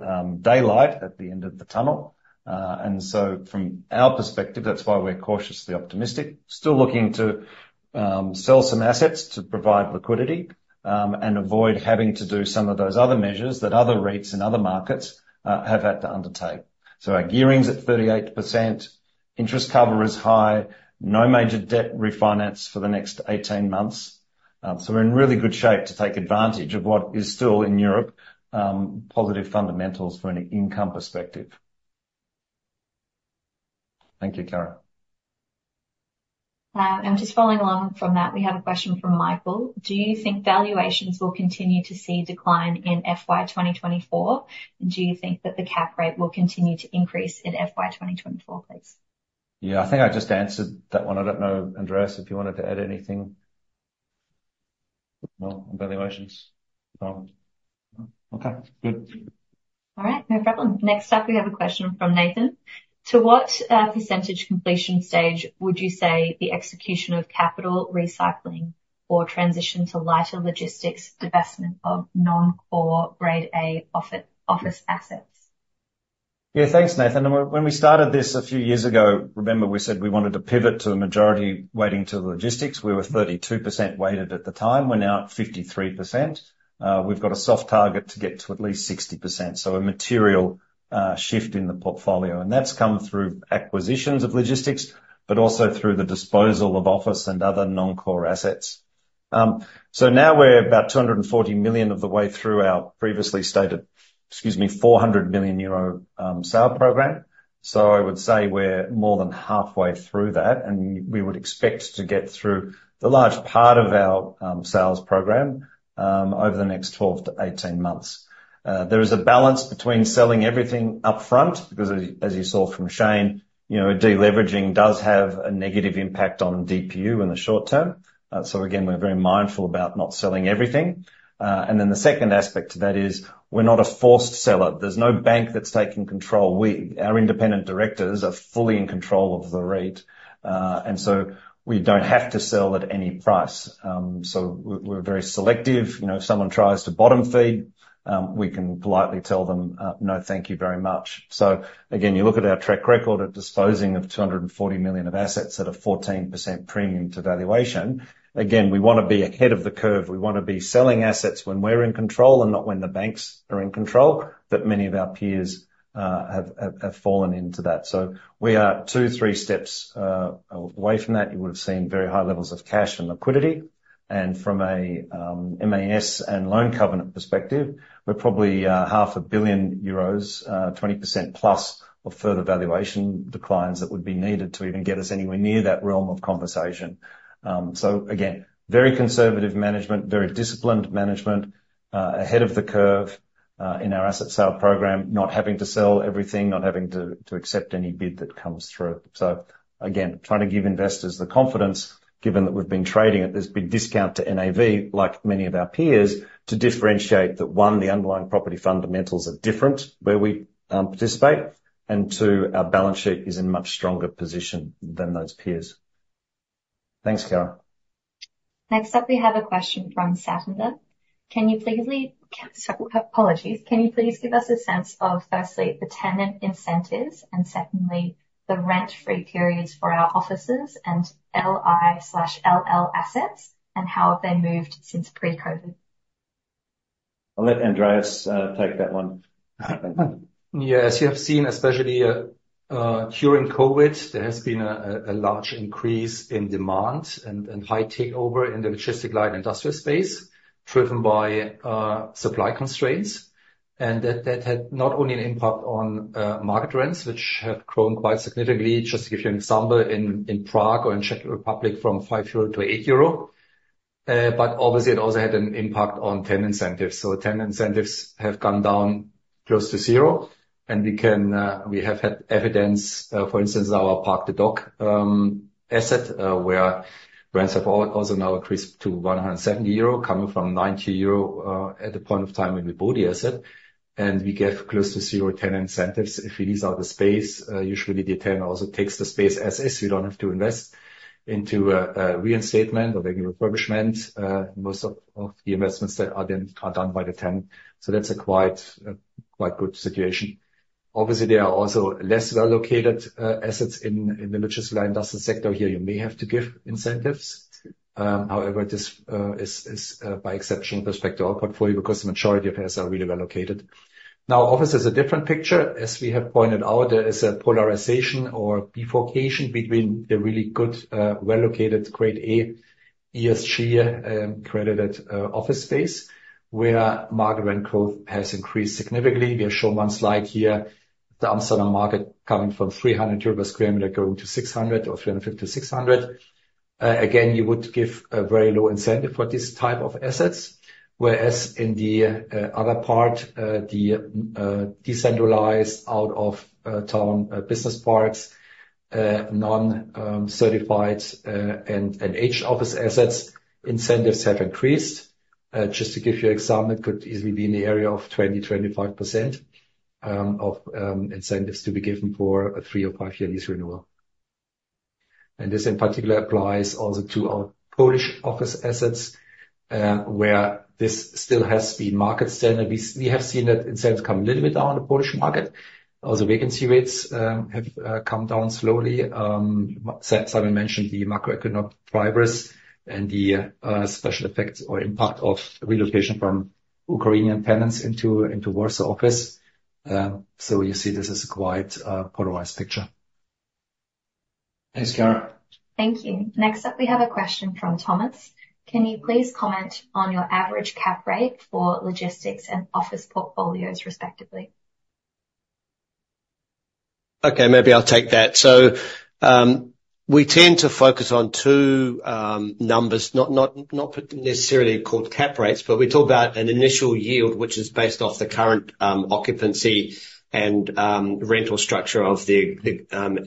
daylight at the end of the tunnel." And so from our perspective, that's why we're cautiously optimistic, still looking to sell some assets to provide liquidity, and avoid having to do some of those other measures that other REITs in other markets have had to undertake. So our gearing's at 38%, interest cover is high, no major debt refinance for the next 18 months. We're in really good shape to take advantage of what is still in Europe, positive fundamentals for an income perspective. Thank you, Karen. And just following along from that, we have a question from Michael: Do you think valuations will continue to see a decline in FY 2024? And do you think that the cap rate will continue to increase in FY 2024, please? Yeah, I think I just answered that one. I don't know, Andreas, if you wanted to add anything? No valuations. No. Okay, good. All right. No problem. Next up, we have a question from Nathan: To what percentage completion stage would you say the execution of capital recycling or transition to lighter logistics, divestment of non-core Grade A office assets? Yeah, thanks, Nathan. And when we started this a few years ago, remember we said we wanted to pivot to the majority weighting to the logistics. We were 32% weighted at the time, we're now at 53%. We've got a soft target to get to at least 60%, so a material shift in the portfolio. And that's come through acquisitions of logistics, but also through the disposal of office and other non-core assets. So now we're about 240 million of the way through our previously stated, excuse me, 400 million euro sale program. So I would say we're more than halfway through that, and we would expect to get through the large part of our sales program over the next 12 to 18 months. There is a balance between selling everything up front, because as you saw from Shane, you know, de-leveraging does have a negative impact on DPU in the short term. So again, we're very mindful about not selling everything. And then the second aspect to that is, we're not a forced seller. There's no bank that's taking control. We, our independent directors are fully in control of the REIT, and so we don't have to sell at any price. So we're very selective. You know, if someone tries to bottom feed, we can politely tell them, "No, thank you very much." So again, you look at our track record of disposing of 240 million of assets at a 14% premium to valuation, again, we want to be ahead of the curve. We want to be selling assets when we're in control, and not when the banks are in control. But many of our peers have fallen into that. So we are two three steps away from that. You would've seen very high levels of cash and liquidity, and from a MAS and loan covenant perspective, we're probably 500 million euros, 20% plus of further valuation declines that would be needed to even get us anywhere near that realm of conversation. So again, very conservative management, very disciplined management, ahead of the curve, in our asset sale program, not having to sell everything, not having to accept any bid that comes through. So again, trying to give investors the confidence, given that we've been trading at this big discount to NAV, like many of our peers, to differentiate that, one, the underlying property fundamentals are different where we participate, and two, our balance sheet is in much stronger position than those peers. Thanks, Kiiara. Next up, we have a question from Satinder. Can you please give us a sense of, firstly, the tenant incentives, and secondly, the rent-free periods for our offices and LI/LL assets, and how have they moved since pre-COVID? I'll let Andreas take that one. Yeah, as you have seen, especially during COVID, there has been a large increase in demand and high takeover in the logistic light industrial space, driven by supply constraints. And that had not only an impact on market rents, which have grown quite significantly, just to give you an example, in Prague or in Czech Republic, from 5 euro to 8 euro, but obviously it also had an impact on tenant incentives. So tenant incentives have gone down close to zero, and we have had evidence, for instance, our Parc des Docks asset, where rents have also now increased to 170 euro, coming from 90 euro, at the point of time when we bought the asset, and we get close to zero tenant incentives. If we lease out the space, usually the tenant also takes the space as is. We don't have to invest into a reinstatement or regular refurbishment. Most of the investments that are done are done by the tenant, so that's a quite good situation. Obviously, there are also less well-located assets in the logistic line industrial sector. Here, you may have to give incentives. However, this is by exception with respect to our portfolio, because the majority of assets are really well-located. Now, office is a different picture. As we have pointed out, there is a polarization or bifurcation between the really good well-located Grade A, ESG credited office space, where market rent growth has increased significantly. We have shown one slide here, the Amsterdam market coming from 300 euros per sqm, growing to 600 or 350-600. Again, you would give a very low incentive for this type of assets, whereas in the other part, the decentralized out of town business parks, non-certified and aged office assets, incentives have increased. Just to give you example, it could easily be in the area of 20%-25% of incentives to be given for a three or five years lease renewal. And this in particular applies also to our Polish office assets, where this still has been market standard. We have seen that incentives come a little bit down the Polish market. Also, vacancy rates have come down slowly. Simon mentioned the macroeconomic drivers and the special effects or impact of relocation from Ukrainian tenants into Warsaw office. So you see this as a quite polarized picture. Thanks, Kiara. Thank you. Next up, we have a question from Thomas: Can you please comment on your average cap rate for logistics and office portfolios respectively? Okay, maybe I'll take that. So, we tend to focus on two numbers, not necessarily called cap rates, but we talk about an initial yield, which is based off the current occupancy and rental structure of the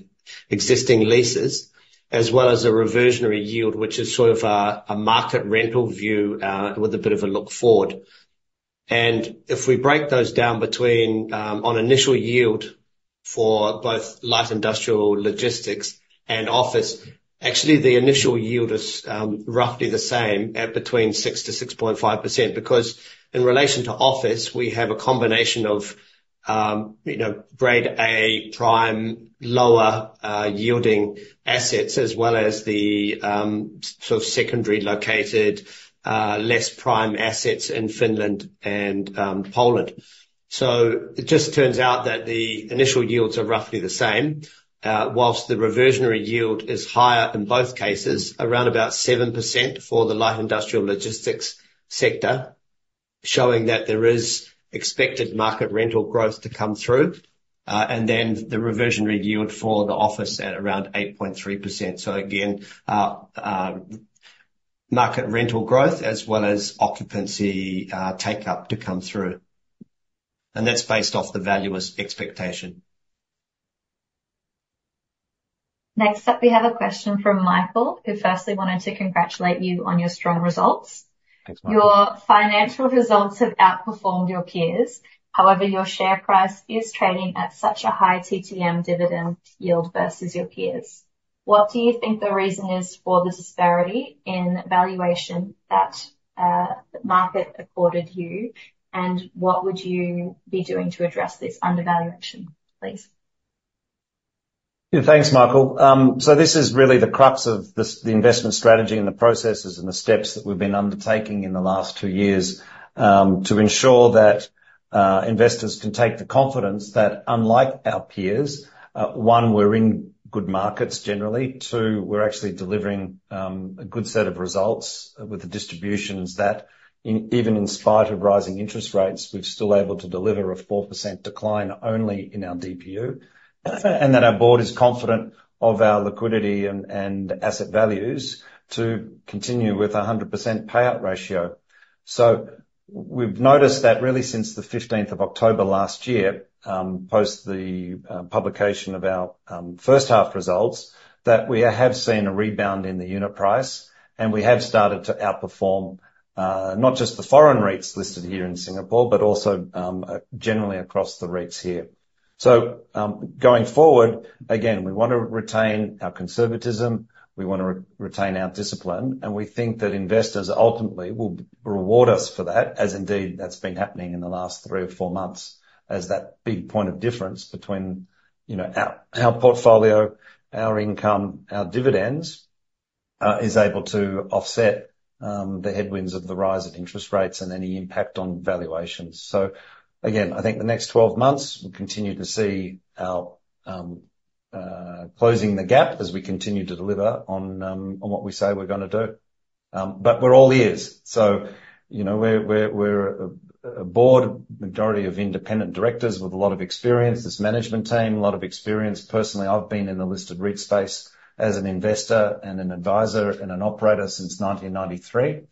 existing leases, as well as a reversionary yield, which is sort of a market rental view with a bit of a look forward. And if we break those down between on initial yield for both light industrial, logistics and office, actually the initial yield is roughly the same at between 6%-6.5%, because in relation to office, we have a combination of you know, Grade A prime, lower yielding assets, as well as the sort of secondary located less prime assets in Finland and Poland. So it just turns out that the initial yields are roughly the same, while the reversionary yield is higher in both cases, around about 7% for the light industrial logistics sector, showing that there is expected market rental growth to come through, and then the reversionary yield for the office at around 8.3%. So again, market rental growth, as well as occupancy, take-up to come through, and that's based off the valuer's expectation. Next up, we have a question from Michael, who firstly wanted to congratulate you on your strong results. Thanks, Michael. Your financial results have outperformed your peers. However, your share price is trading at such a high TTM dividend yield versus your peers. What do you think the reason is for this disparity in valuation that, the market accorded you, and what would you be doing to address this undervaluation, please? Yeah, thanks, Michael. So this is really the crux of this, the investment strategy and the processes and the steps that we've been undertaking in the last two years, to ensure that investors can take the confidence that unlike our peers, one, we're in good markets generally, two, we're actually delivering a good set of results with the distributions that even in spite of rising interest rates, we're still able to deliver a 4% decline only in our DPU. And that our board is confident of our liquidity and asset values to continue with a 100% payout ratio. So we've noticed that really since the fifteenth of October last year, post the publication of our first half results, that we have seen a rebound in the unit price. We have started to outperform, not just the foreign REITs listed here in Singapore, but also, generally across the REITs here. So, going forward, again, we want to retain our conservatism, we want to retain our discipline, and we think that investors ultimately will reward us for that, as indeed, that's been happening in the last three or four months as that big point of difference between, you know, our, our portfolio, our income, our dividends, is able to offset, the headwinds of the rise in interest rates and any impact on valuations. So again, I think the next 12 months, we'll continue to see our, closing the gap as we continue to deliver on, on what we say we're gonna do. But we're all ears. So, you know, we're a board, majority of independent directors with a lot of experience. This management team, a lot of experience. Personally, I've been in the listed REIT space as an investor and an advisor and an operator since 1993.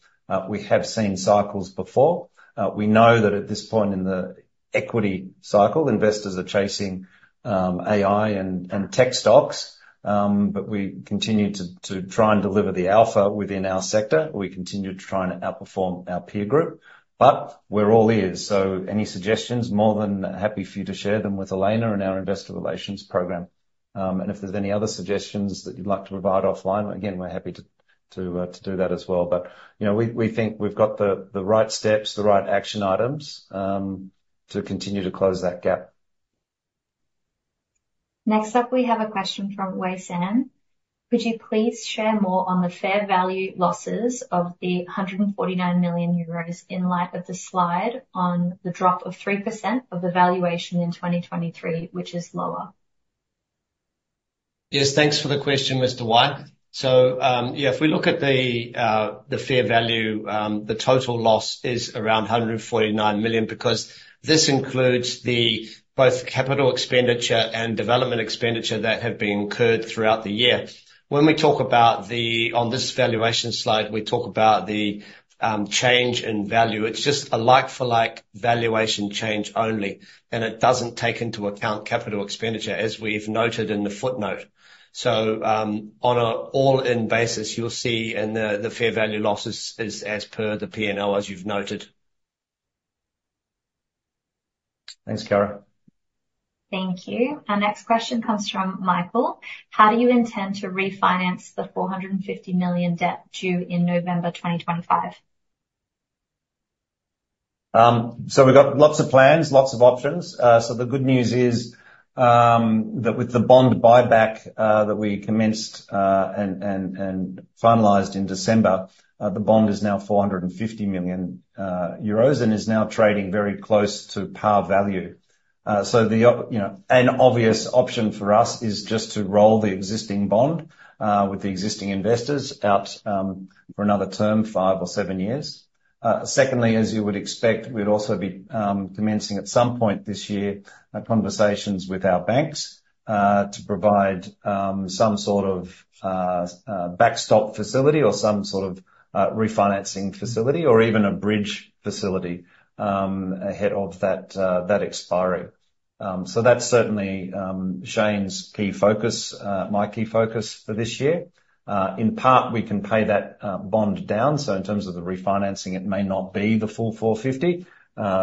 We have seen cycles before. We know that at this point in the equity cycle, investors are chasing AI and tech stocks. But we continue to try and deliver the alpha within our sector. We continue to try and outperform our peer group, but we're all ears, so any suggestions, more than happy for you to share them with Elena and our investor relations program. And if there's any other suggestions that you'd like to provide offline, again, we're happy to do that as well. You know, we think we've got the right steps, the right action items, to continue to close that gap. Next up, we have a question from Wei San. Could you please share more on the fair value losses of 149 million euros in light of the slide on the drop of 3% of the valuation in 2023, which is lower? Yes, thanks for the question, Mr. Wei. So, yeah, if we look at the fair value, the total loss is around 149 million, because this includes the both capital expenditure and development expenditure that have been incurred throughout the year. When we talk about the on this valuation slide, we talk about the change in value. It's just a like for like valuation change only, and it doesn't take into account capital expenditure, as we've noted in the footnote. So, on a all-in basis, you'll see in the fair value losses is as per the P&L, as you've noted. Thanks, Kiara. Thank you. Our next question comes from Michael: How do you intend to refinance the 450 million debt due in November 2025? So we've got lots of plans, lots of options. So the good news is that with the bond buyback that we commenced and finalized in December, the bond is now 450 million euros, and is now trading very close to par value. So the obvious, you know, an obvious option for us is just to roll the existing bond with the existing investors out for another term, five or seven years. Secondly, as you would expect, we'd also be commencing at some point this year conversations with our banks to provide some sort of backstop facility or some sort of refinancing facility or even a bridge facility ahead of that expiry. So that's certainly Shane's key focus, my key focus for this year. In part, we can pay that bond down, so in terms of the refinancing, it may not be the full 450.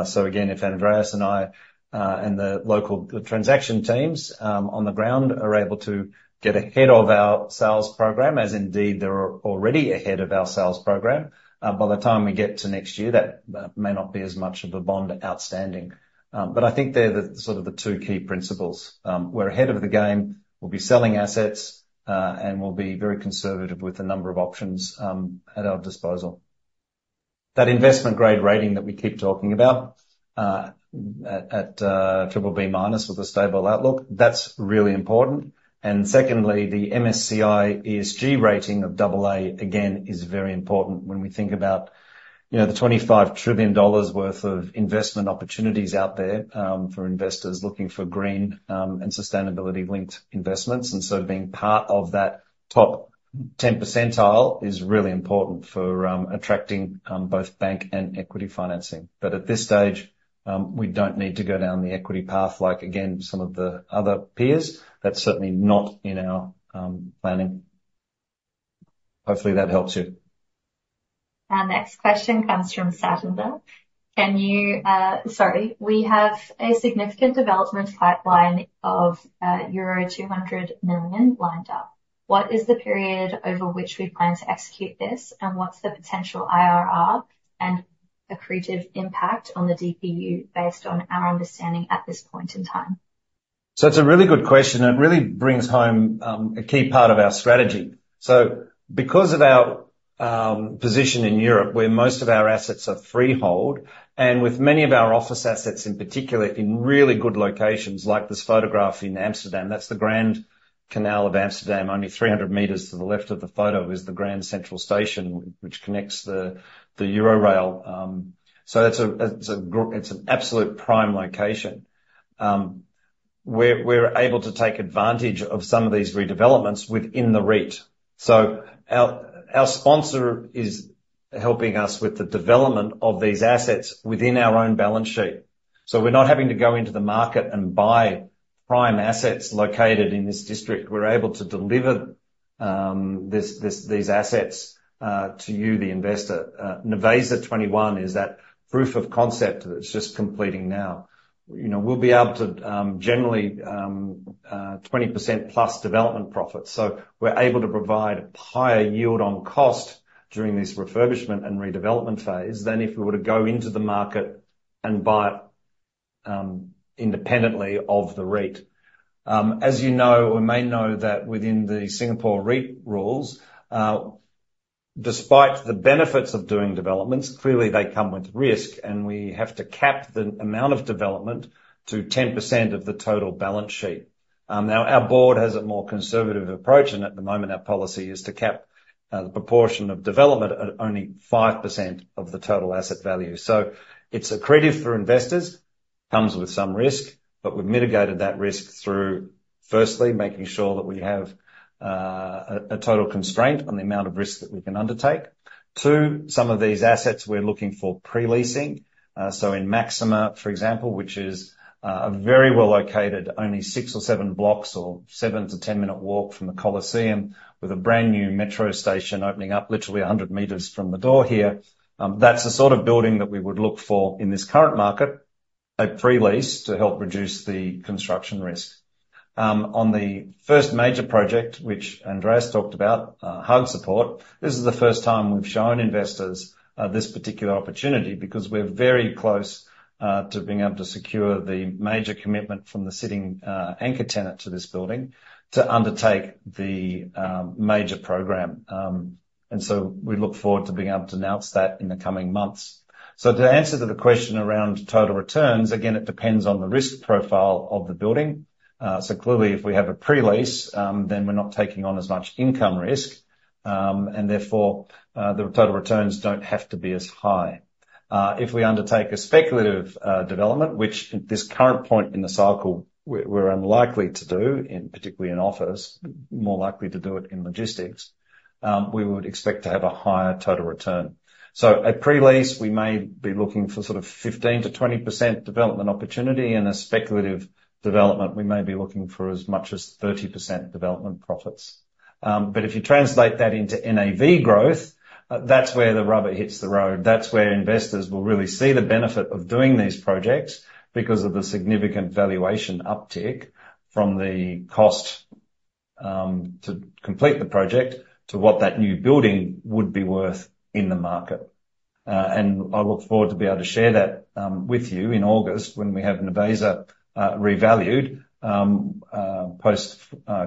So again, if Andreas and I, and the local transaction teams on the ground are able to get ahead of our sales program, as indeed they're already ahead of our sales program, by the time we get to next year, that may not be as much of a bond outstanding. But I think they're the sort of the two key principles. We're ahead of the game, we'll be selling assets, and we'll be very conservative with the number of options at our disposal. That investment grade rating that we keep talking about, at triple B minus with a stable outlook, that's really important. And secondly, the MSCI ESG rating of double A, again, is very important when we think about, you know, the $25 trillion worth of investment opportunities out there, for investors looking for green and sustainability-linked investments. And so being part of that top 10 percentile is really important for attracting both bank and equity financing. But at this stage, we don't need to go down the equity path like, again, some of the other peers. That's certainly not in our planning. Hopefully that helps you. Our next question comes from Satinder. Can you—Sorry, we have a significant development pipeline of euro 200 million lined up. What is the period over which we plan to execute this, and what's the potential IRR and accretive impact on the DPU based on our understanding at this point in time? So it's a really good question, and it really brings home a key part of our strategy. So because of our position in Europe, where most of our assets are freehold, and with many of our office assets in particular, in really good locations, like this photograph in Amsterdam. That's the Grand Canal of Amsterdam. Only 300 meters to the left of the photo is the Grand Central Station, which connects the Euro rail. So that's a, it's an absolute prime location. We're able to take advantage of some of these redevelopments within the REIT. So our sponsor is helping us with the development of these assets within our own balance sheet. So we're not having to go into the market and buy prime assets located in this district. We're able to deliver these assets to you, the investor. Nervesa 21 is that proof of concept that's just completing now. You know, we'll be able to generally 20% plus development profits, so we're able to provide a higher yield on cost during this refurbishment and redevelopment phase than if we were to go into the market and buy independently of the REIT. As you know, or may know, that within the Singapore REIT rules, despite the benefits of doing developments, clearly they come with risk, and we have to cap the amount of development to 10% of the total balance sheet. Now, our board has a more conservative approach, and at the moment, our policy is to cap the proportion of development at only 5% of the total asset value. So it's accretive for investors, comes with some risk, but we've mitigated that risk through, firstly, making sure that we have a total constraint on the amount of risk that we can undertake. Two, some of these assets we're looking for pre-leasing. So in Maxima, for example, which is a very well located, only 6 or 7 blocks, or 7-10 minute walk from the Colosseum, with a brand new metro station opening up literally 100 meters from the door here, that's the sort of building that we would look for in this current market, a pre-lease to help reduce the construction risk. On the first major project, which Andreas talked about, Haagse Poort, this is the first time we've shown investors this particular opportunity, because we're very close to being able to secure the major commitment from the sitting anchor tenant to this building, to undertake the major program. And so we look forward to being able to announce that in the coming months. So to answer to the question around total returns, again, it depends on the risk profile of the building. So clearly, if we have a pre-lease, then we're not taking on as much income risk, and therefore, the total returns don't have to be as high. If we undertake a speculative development, which at this current point in the cycle, we're unlikely to do, particularly in office, more likely to do it in logistics, we would expect to have a higher total return. So at pre-lease, we may be looking for sort of 15%-20% development opportunity, and a speculative development, we may be looking for as much as 30% development profits. But if you translate that into NAV growth, that's where the rubber hits the road. That's where investors will really see the benefit of doing these projects, because of the significant valuation uptick from the cost to complete the project to what that new building would be worth in the market. I look forward to be able to share that with you in August, when we have Nervesa revalued post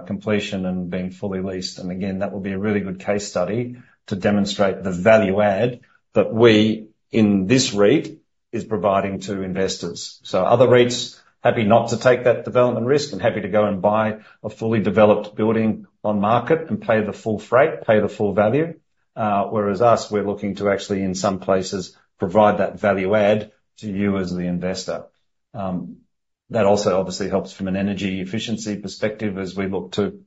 completion and being fully leased. And again, that will be a really good case study to demonstrate the value add that we, in this REIT, is providing to investors. So other REITs, happy not to take that development risk and happy to go and buy a fully developed building on market and pay the full freight, pay the full value. Whereas us, we're looking to actually, in some places, provide that value add to you as the investor. That also obviously helps from an energy efficiency perspective as we look to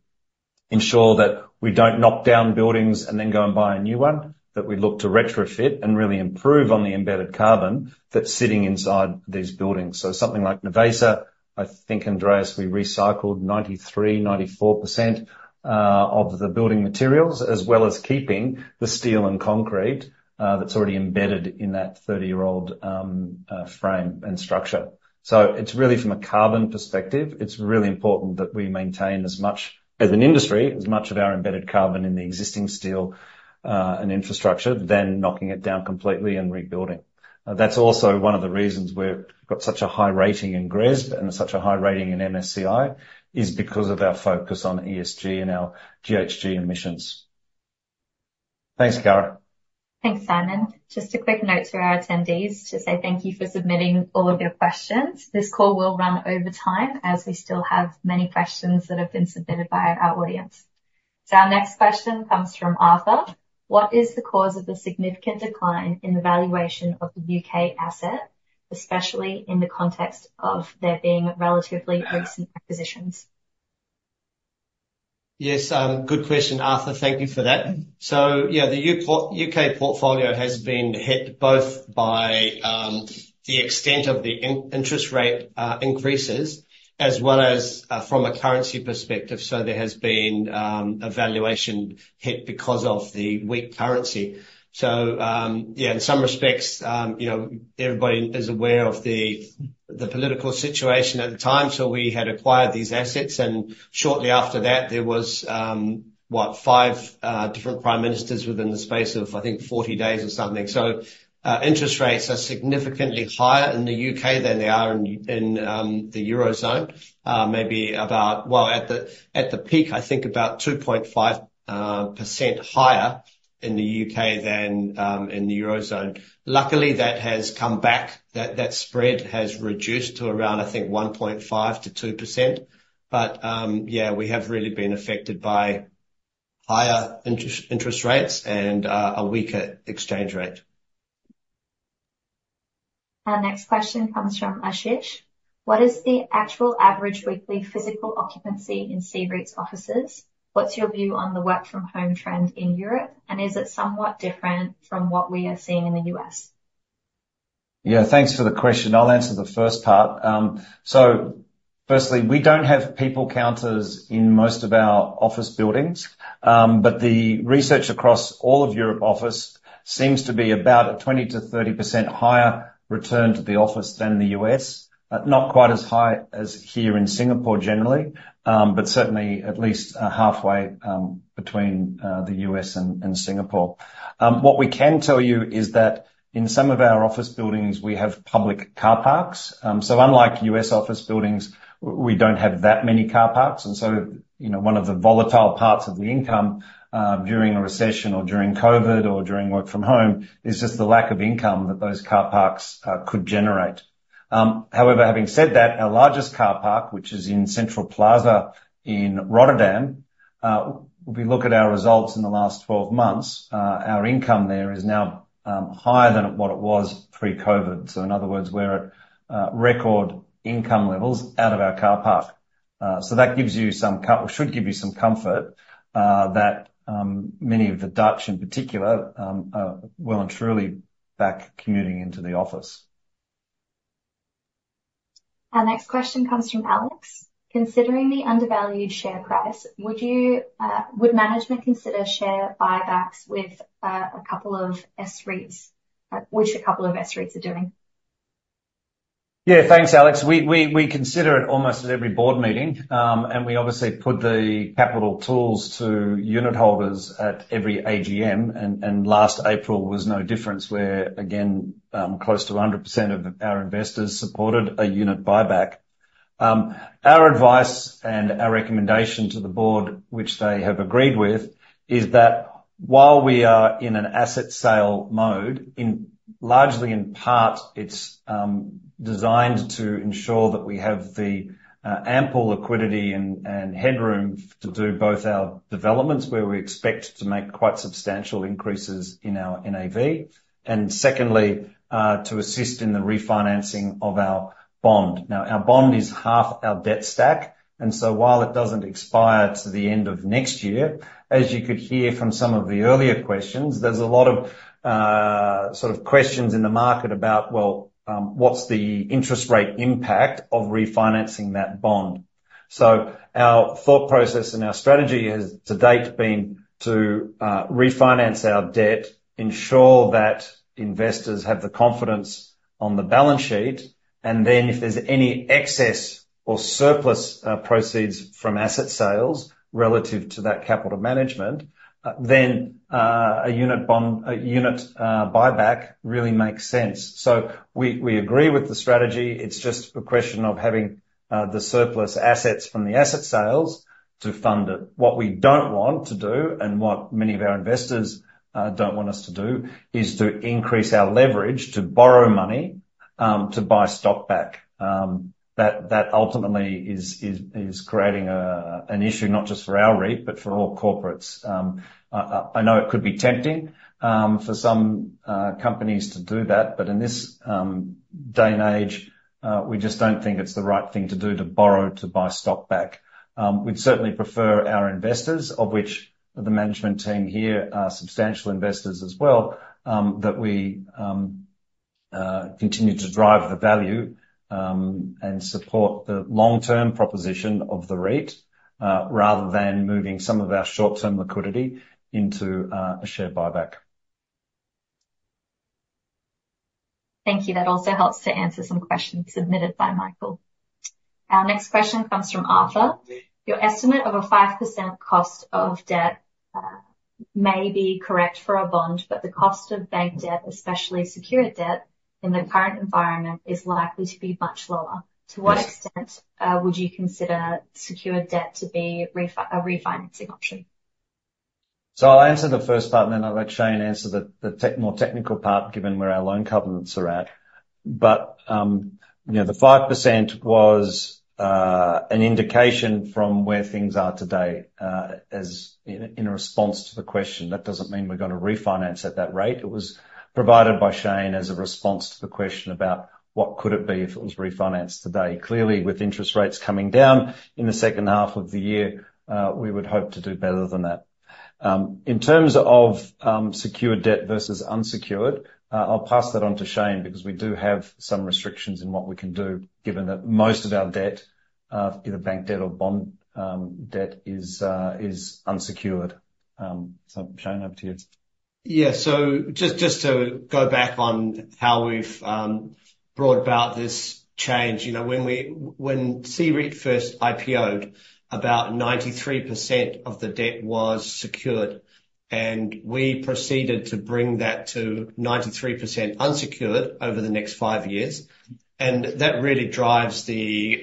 ensure that we don't knock down buildings and then go and buy a new one, that we look to retrofit and really improve on the embedded carbon that's sitting inside these buildings. So something like Nervesa, I think, Andreas, we recycled 93%-94% of the building materials, as well as keeping the steel and concrete that's already embedded in that 30-year-old frame and structure. So it's really from a carbon perspective, it's really important that we maintain as much, as an industry, as much of our embedded carbon in the existing steel and infrastructure, than knocking it down completely and rebuilding. That's also one of the reasons we've got such a high rating in GRESB and such a high rating in MSCI, is because of our focus on ESG and our GHG emissions. Thanks, Kiara. Thanks, Simon. Just a quick note to our attendees to say thank you for submitting all of your questions. This call will run over time, as we still have many questions that have been submitted by our audience. Our next question comes from Arthur: What is the cause of the significant decline in the valuation of the U.K. asset, especially in the context of there being relatively recent acquisitions? ... Yes, good question, Arthur. Thank you for that. So, yeah, the U.K. portfolio has been hit both by the extent of the interest rate increases, as well as from a currency perspective. So there has been a valuation hit because of the weak currency. So, yeah, in some respects, you know, everybody is aware of the political situation at the time. So we had acquired these assets, and shortly after that, there was what, five different prime ministers within the space of, I think, 40 days or something. So interest rates are significantly higher in the U.K. than they are in the Eurozone. Maybe about, well, at the peak, I think about 2.5% higher in the U.K. than in the Eurozone. Luckily, that has come back. That spread has reduced to around, I think, 1.5%-2%. But, yeah, we have really been affected by higher interest rates and a weaker exchange rate. Our next question comes from Ashish: What is the actual average weekly physical occupancy in CEREIT's offices? What's your view on the work from home trend in Europe, and is it somewhat different from what we are seeing in the U.S.? Yeah, thanks for the question. I'll answer the first part. So firstly, we don't have people counters in most of our office buildings, but the research across all of Europe office seems to be about a 20%-30% higher return to the office than the U.S. Not quite as high as here in Singapore generally, but certainly at least halfway between the U.S. and Singapore. What we can tell you is that in some of our office buildings, we have public car parks. So unlike U.S. office buildings, we don't have that many car parks, and so, you know, one of the volatile parts of the income during a recession or during COVID or during work from home, is just the lack of income that those car parks could generate. However, having said that, our largest car park, which is in Central Plaza in Rotterdam, if we look at our results in the last 12 months, our income there is now higher than what it was pre-COVID. So in other words, we're at record income levels out of our car park. So that should give you some comfort that many of the Dutch, in particular, are well and truly back commuting into the office. Our next question comes from Alex: Considering the undervalued share price, would you, would management consider share buybacks with, a couple of S-REITs, which a couple of S-REITs are doing? Yeah, thanks, Alex. We consider it almost at every board meeting, and we obviously put the capital tools to unit holders at every AGM, and last April was no difference, where, again, close to 100% of our investors supported a unit buyback. Our advice and our recommendation to the board, which they have agreed with, is that while we are in an asset sale mode, largely in part it's designed to ensure that we have the ample liquidity and headroom to do both our developments, where we expect to make quite substantial increases in our NAV, and secondly, to assist in the refinancing of our bond. Now, our bond is half our debt stack, and so while it doesn't expire till the end of next year, as you could hear from some of the earlier questions, there's a lot of, sort of questions in the market about, well, what's the interest rate impact of refinancing that bond? So our thought process and our strategy has, to date, been to, refinance our debt, ensure that investors have the confidence on the balance sheet, and then if there's any excess or surplus, proceeds from asset sales relative to that capital management, then, a unit bond- a unit, buyback really makes sense. So we, we agree with the strategy. It's just a question of having, the surplus assets from the asset sales to fund it. What we don't want to do, and what many of our investors don't want us to do, is to increase our leverage to borrow money to buy stock back. That ultimately is creating an issue not just for our REIT, but for all corporates. I know it could be tempting for some companies to do that, but in this day and age, we just don't think it's the right thing to do to borrow to buy stock back. We'd certainly prefer our investors, of which the management team here are substantial investors as well, that we continue to drive the value and support the long-term proposition of the REIT rather than moving some of our short-term liquidity into a share buyback. Thank you. That also helps to answer some questions submitted by Michael. Our next question comes from Arthur: Your estimate of a 5% cost of debt may be correct for a bond, but the cost of bank debt, especially secured debt in the current environment, is likely to be much lower. Yes. To what extent would you consider secured debt to be a refinancing option? So I'll answer the first part, and then I'll let Shane answer the more technical part, given where our loan covenants are at. But, you know, the 5% was an indication from where things are today, as in a response to the question. That doesn't mean we're going to refinance at that rate. It was provided by Shane as a response to the question about what could it be if it was refinanced today. Clearly, with interest rates coming down in the second half of the year, we would hope to do better than that. In terms of secured debt versus unsecured, I'll pass that on to Shane, because we do have some restrictions in what we can do, given that most of our debt, either bank debt or bond debt, is unsecured. So, Shane, over to you. Yeah. So just, just to go back on how we've brought about this change. You know, when we, when CEREIT first IPO, about 93% of the debt was secured, and we proceeded to bring that to 93% unsecured over the next five years, and that really drives the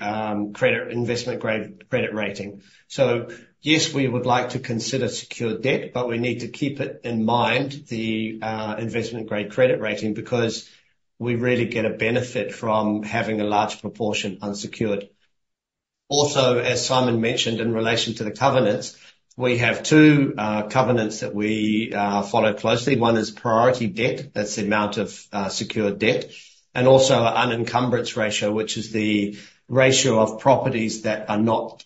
credit, investment-grade credit rating. So yes, we would like to consider secured debt, but we need to keep it in mind, the investment-grade credit rating, because we really get a benefit from having a large proportion unsecured. Also, as Simon mentioned, in relation to the covenants, we have two covenants that we follow closely. One is priority debt, that's the amount of secured debt, and also an unencumbered ratio, which is the ratio of properties that are not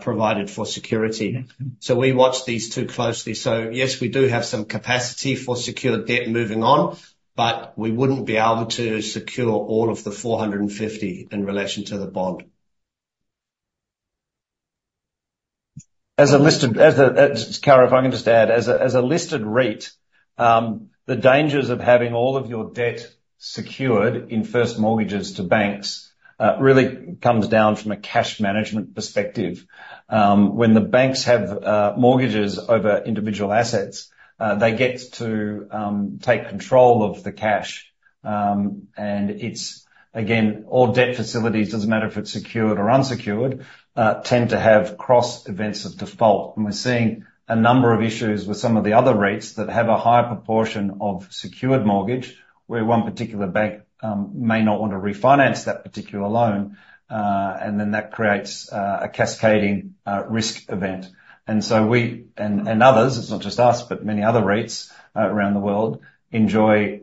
provided for security. So we watch these two closely. So yes, we do have some capacity for secured debt moving on, but we wouldn't be able to secure all of the 450 in relation to the bond. As a listed REIT, Kiara, if I can just add, the dangers of having all of your debt secured in first mortgages to banks really comes down from a cash management perspective. When the banks have mortgages over individual assets, they get to take control of the cash. And it's again, all debt facilities, doesn't matter if it's secured or unsecured, tend to have cross events of default, and we're seeing a number of issues with some of the other REITs that have a higher proportion of secured mortgage, where one particular bank may not want to refinance that particular loan. And then that creates a cascading risk event. And so we and others, it's not just us, but many other REITs around the world enjoy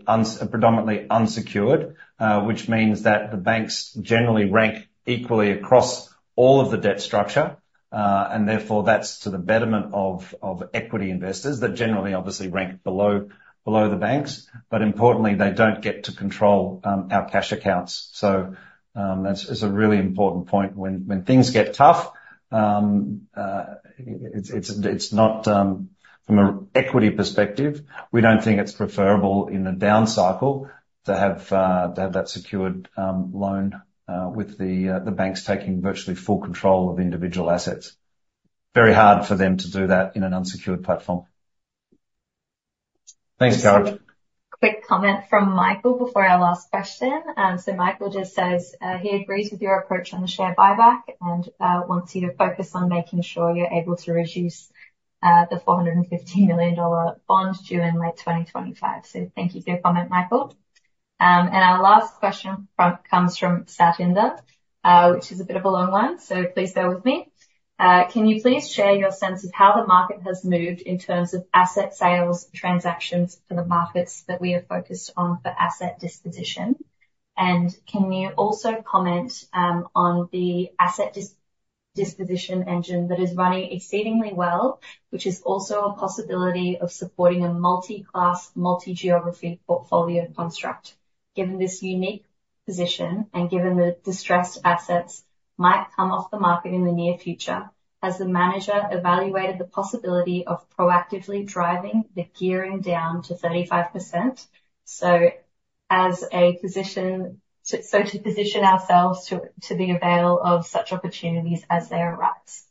predominantly unsecured, which means that the banks generally rank equally across all of the debt structure. And therefore, that's to the betterment of equity investors that generally obviously rank below the banks, but importantly, they don't get to control our cash accounts. So that's a really important point. When things get tough, it's not... From an equity perspective, we don't think it's preferable in a down cycle to have that secured loan with the banks taking virtually full control of individual assets. Very hard for them to do that in an unsecured platform. Thanks, Kiara. Quick comment from Michael before our last question. So Michael just says he agrees with your approach on the share buyback and wants you to focus on making sure you're able to reduce the $450 million bond due in late 2025. So thank you for your comment, Michael. And our last question comes from Satinder, which is a bit of a long one, so please bear with me. Can you please share your sense of how the market has moved in terms of asset sales, transactions for the markets that we are focused on for asset disposition? And can you also comment on the asset disposition engine that is running exceedingly well, which is also a possibility of supporting a multi-class, multi-geography portfolio construct? Given this unique position, and given the distressed assets might come off the market in the near future, has the manager evaluated the possibility of proactively driving the gearing down to 35%, so as to position ourselves to the avail of such opportunities as they arise?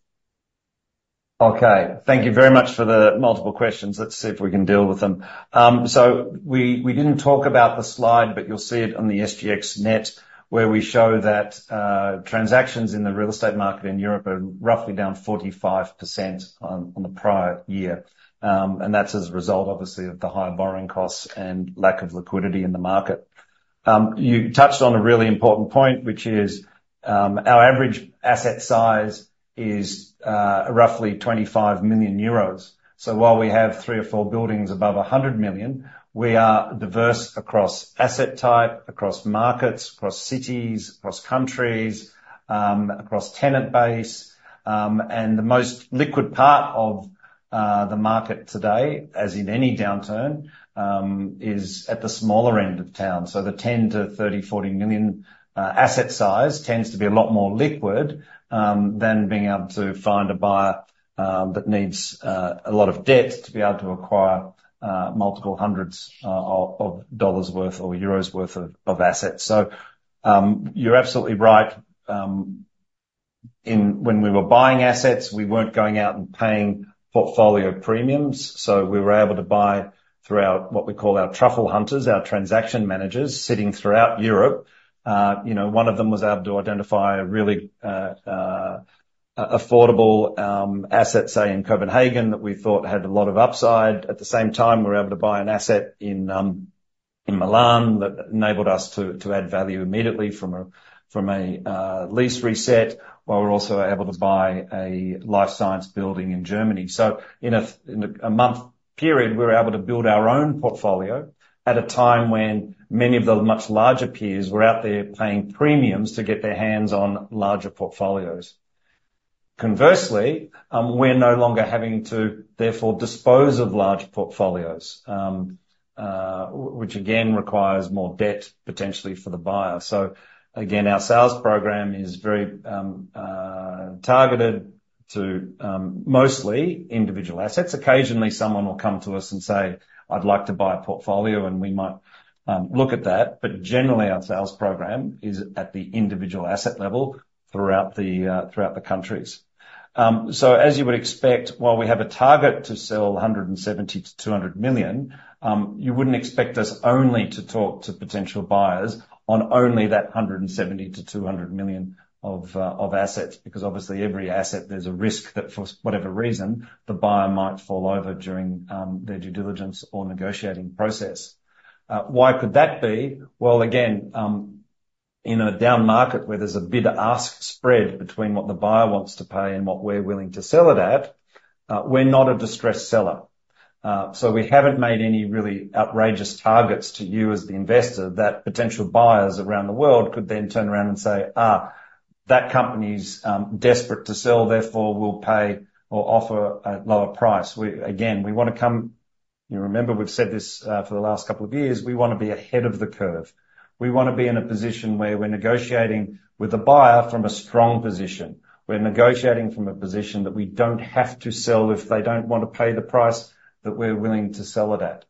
Okay. Thank you very much for the multiple questions. Let's see if we can deal with them. So we didn't talk about the slide, but you'll see it on the SGXNet, where we show that transactions in the real estate market in Europe are roughly down 45% on the prior year. And that's as a result, obviously, of the high borrowing costs and lack of liquidity in the market. You touched on a really important point, which is our average asset size is roughly 25 million euros. So while we have three or four buildings above 100 million, we are diverse across asset type, across markets, across cities, across countries, across tenant base. And the most liquid part of the market today, as in any downturn, is at the smaller end of town. -So the 10 to 30-40 million asset size tends to be a lot more liquid than being able to find a buyer that needs a lot of debt to be able to acquire multiple hundreds of dollars worth or euros worth of assets. You're absolutely right. When we were buying assets, we weren't going out and paying portfolio premiums, so we were able to buy through our, what we call our truffle hunters, our transaction managers sitting throughout Europe. You know, one of them was able to identify a really affordable asset, say, in Copenhagen, that we thought had a lot of upside. At the same time, we were able to buy an asset in Milan that enabled us to add value immediately from a lease reset, while we're also able to buy a life science building in Germany. So in a month period, we were able to build our own portfolio at a time when many of the much larger peers were out there paying premiums to get their hands on larger portfolios. Conversely, we're no longer having to therefore dispose of large portfolios, which again, requires more debt potentially for the buyer. So again, our sales program is very targeted to mostly individual assets. Occasionally, someone will come to us and say, "I'd like to buy a portfolio," and we might look at that, but generally, our sales program is at the individual asset level throughout the countries. So as you would expect, while we have a target to sell 170-200 million, you wouldn't expect us only to talk to potential buyers on only that 170-200 million of assets, because obviously, every asset, there's a risk that for whatever reason, the buyer might fall over during their due diligence or negotiating process. Why could that be? Well, again, in a down market where there's a bid-ask spread between what the buyer wants to pay and what we're willing to sell it at, we're not a distressed seller. So we haven't made any really outrageous targets to you as the investor, that potential buyers around the world could then turn around and say, "Ah, that company's desperate to sell, therefore we'll pay or offer a lower price." Again, we wanna come. You remember, we've said this for the last couple of years, we wanna be ahead of the curve. We wanna be in a position where we're negotiating with the buyer from a strong position. We're negotiating from a position that we don't have to sell if they don't want to pay the price that we're willing to sell it at.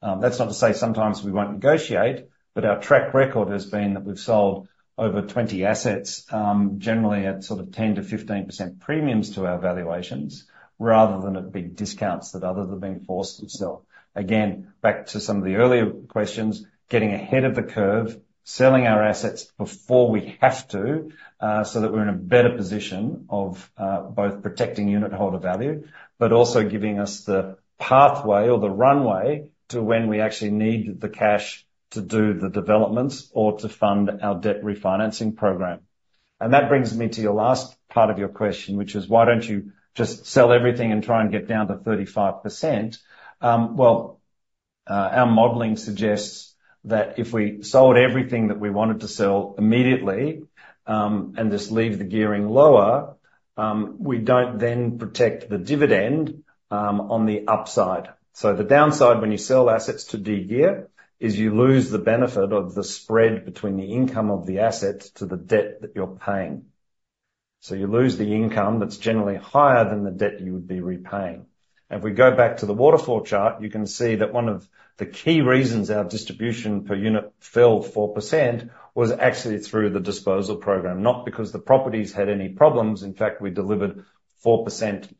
That's not to say sometimes we won't negotiate, but our track record has been that we've sold over 20 assets, generally at sort of 10%-15% premiums to our valuations, rather than at big discounts that others have been forced to sell. Again, back to some of the earlier questions, getting ahead of the curve, selling our assets before we have to, so that we're in a better position of both protecting unitholder value, but also giving us the pathway or the runway to when we actually need the cash to do the developments or to fund our debt refinancing program. And that brings me to your last part of your question, which is: why don't you just sell everything and try and get down to 35%? Well, our modeling suggests that if we sold everything that we wanted to sell immediately, and just leave the gearing lower, we don't then protect the dividend, on the upside. So the downside when you sell assets to de-gear, is you lose the benefit of the spread between the income of the asset to the debt that you're paying. So you lose the income that's generally higher than the debt you would be repaying. And if we go back to the waterfall chart, you can see that one of the key reasons our distribution per unit fell 4% was actually through the disposal program, not because the properties had any problems. In fact, we delivered 4%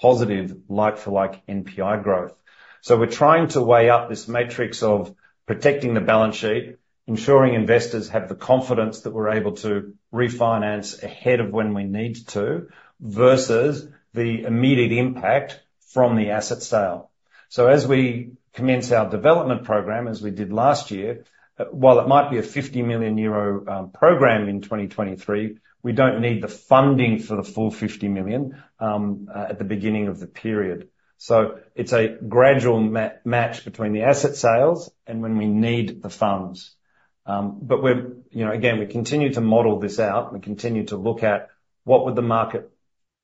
positive, like-for-like NPI growth. So we're trying to weigh up this matrix of protecting the balance sheet, ensuring investors have the confidence that we're able to refinance ahead of when we need to, versus the immediate impact from the asset sale. So as we commence our development program, as we did last year, while it might be a 50 million euro program in 2023, we don't need the funding for the full 50 million at the beginning of the period. So it's a gradual match between the asset sales and when we need the funds. But we're, you know, again, we continue to model this out. We continue to look at what would the market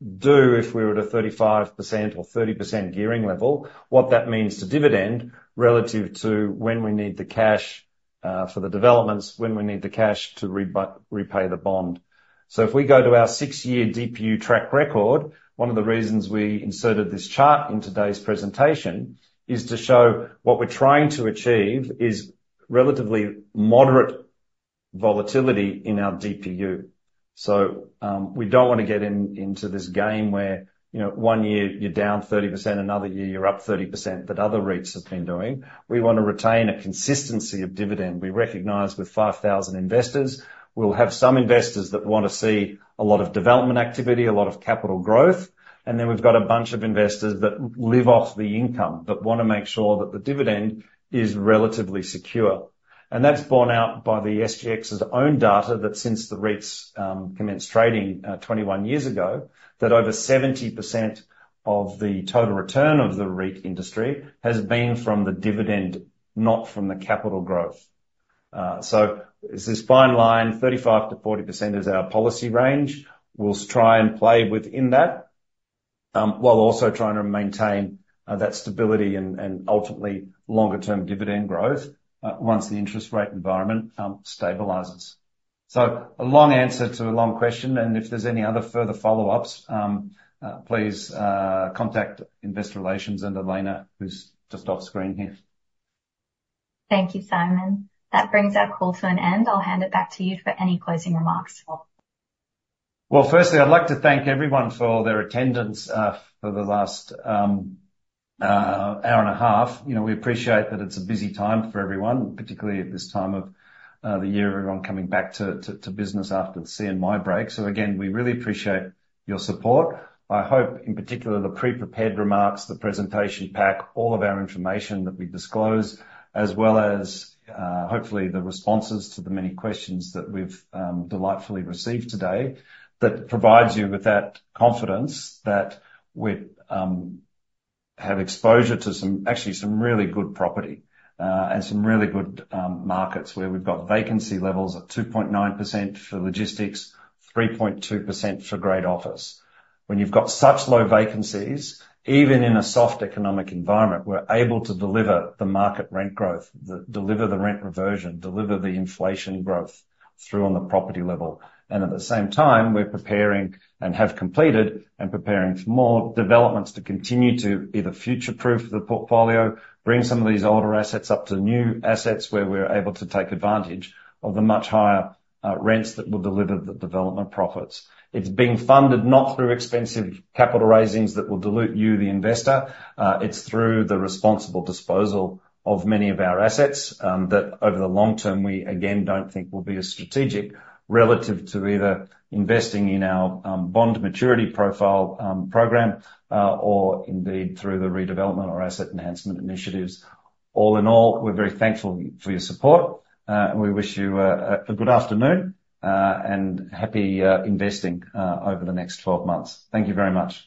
do if we were at a 35% or 30% gearing level, what that means to dividend relative to when we need the cash for the developments, when we need the cash to repay the bond. So if we go to our 6-year DPU track record, one of the reasons we inserted this chart in today's presentation is to show what we're trying to achieve is relatively moderate volatility in our DPU. So, we don't want to get into this game where, you know, one year you're down 30%, another year you're up 30%, that other REITs have been doing. We want to retain a consistency of dividend. We recognize with 5,000 investors, we'll have some investors that want to see a lot of development activity, a lot of capital growth, and then we've got a bunch of investors that live off the income, but wanna make sure that the dividend is relatively secure. And that's borne out by the SGX's own data, that since the REITs commenced trading twenty-one years ago, that over 70% of the total return of the REIT industry has been from the dividend, not from the capital growth. So it's this fine line, 35%-40% is our policy range. We'll try and play within that, while also trying to maintain that stability and ultimately longer term dividend growth once the interest rate environment stabilizes. So a long answer to a long question, and if there's any other further follow-ups, please, contact Investor Relations and Elena, who's just off screen here. Thank you, Simon. That brings our call to an end. I'll hand it back to you for any closing remarks. Well, firstly, I'd like to thank everyone for their attendance for the last hour and a half. You know, we appreciate that it's a busy time for everyone, particularly at this time of the year, everyone coming back to business after the CNY break. So again, we really appreciate your support. I hope, in particular, the pre-prepared remarks, the presentation pack, all of our information that we disclose, as well as hopefully the responses to the many questions that we've delightfully received today, that provides you with that confidence that we have exposure to some, actually some really good property and some really good markets, where we've got vacancy levels at 2.9% for logistics, 3.2% for great office. When you've got such low vacancies, even in a soft economic environment, we're able to deliver the market rent growth, deliver the rent reversion, deliver the inflation growth through on the property level. And at the same time, we're preparing and have completed, and preparing for more developments to continue to either future-proof the portfolio, bring some of these older assets up to new assets, where we're able to take advantage of the much higher, rents that will deliver the development profits. It's being funded, not through expensive capital raisings that will dilute you, the investor, it's through the responsible disposal of many of our assets, that over the long term, we, again, don't think will be as strategic relative to either investing in our, bond maturity profile, program, or indeed, through the redevelopment or asset enhancement initiatives. All in all, we're very thankful for your support, and we wish you a good afternoon, and happy investing over the next 12 months. Thank you very much.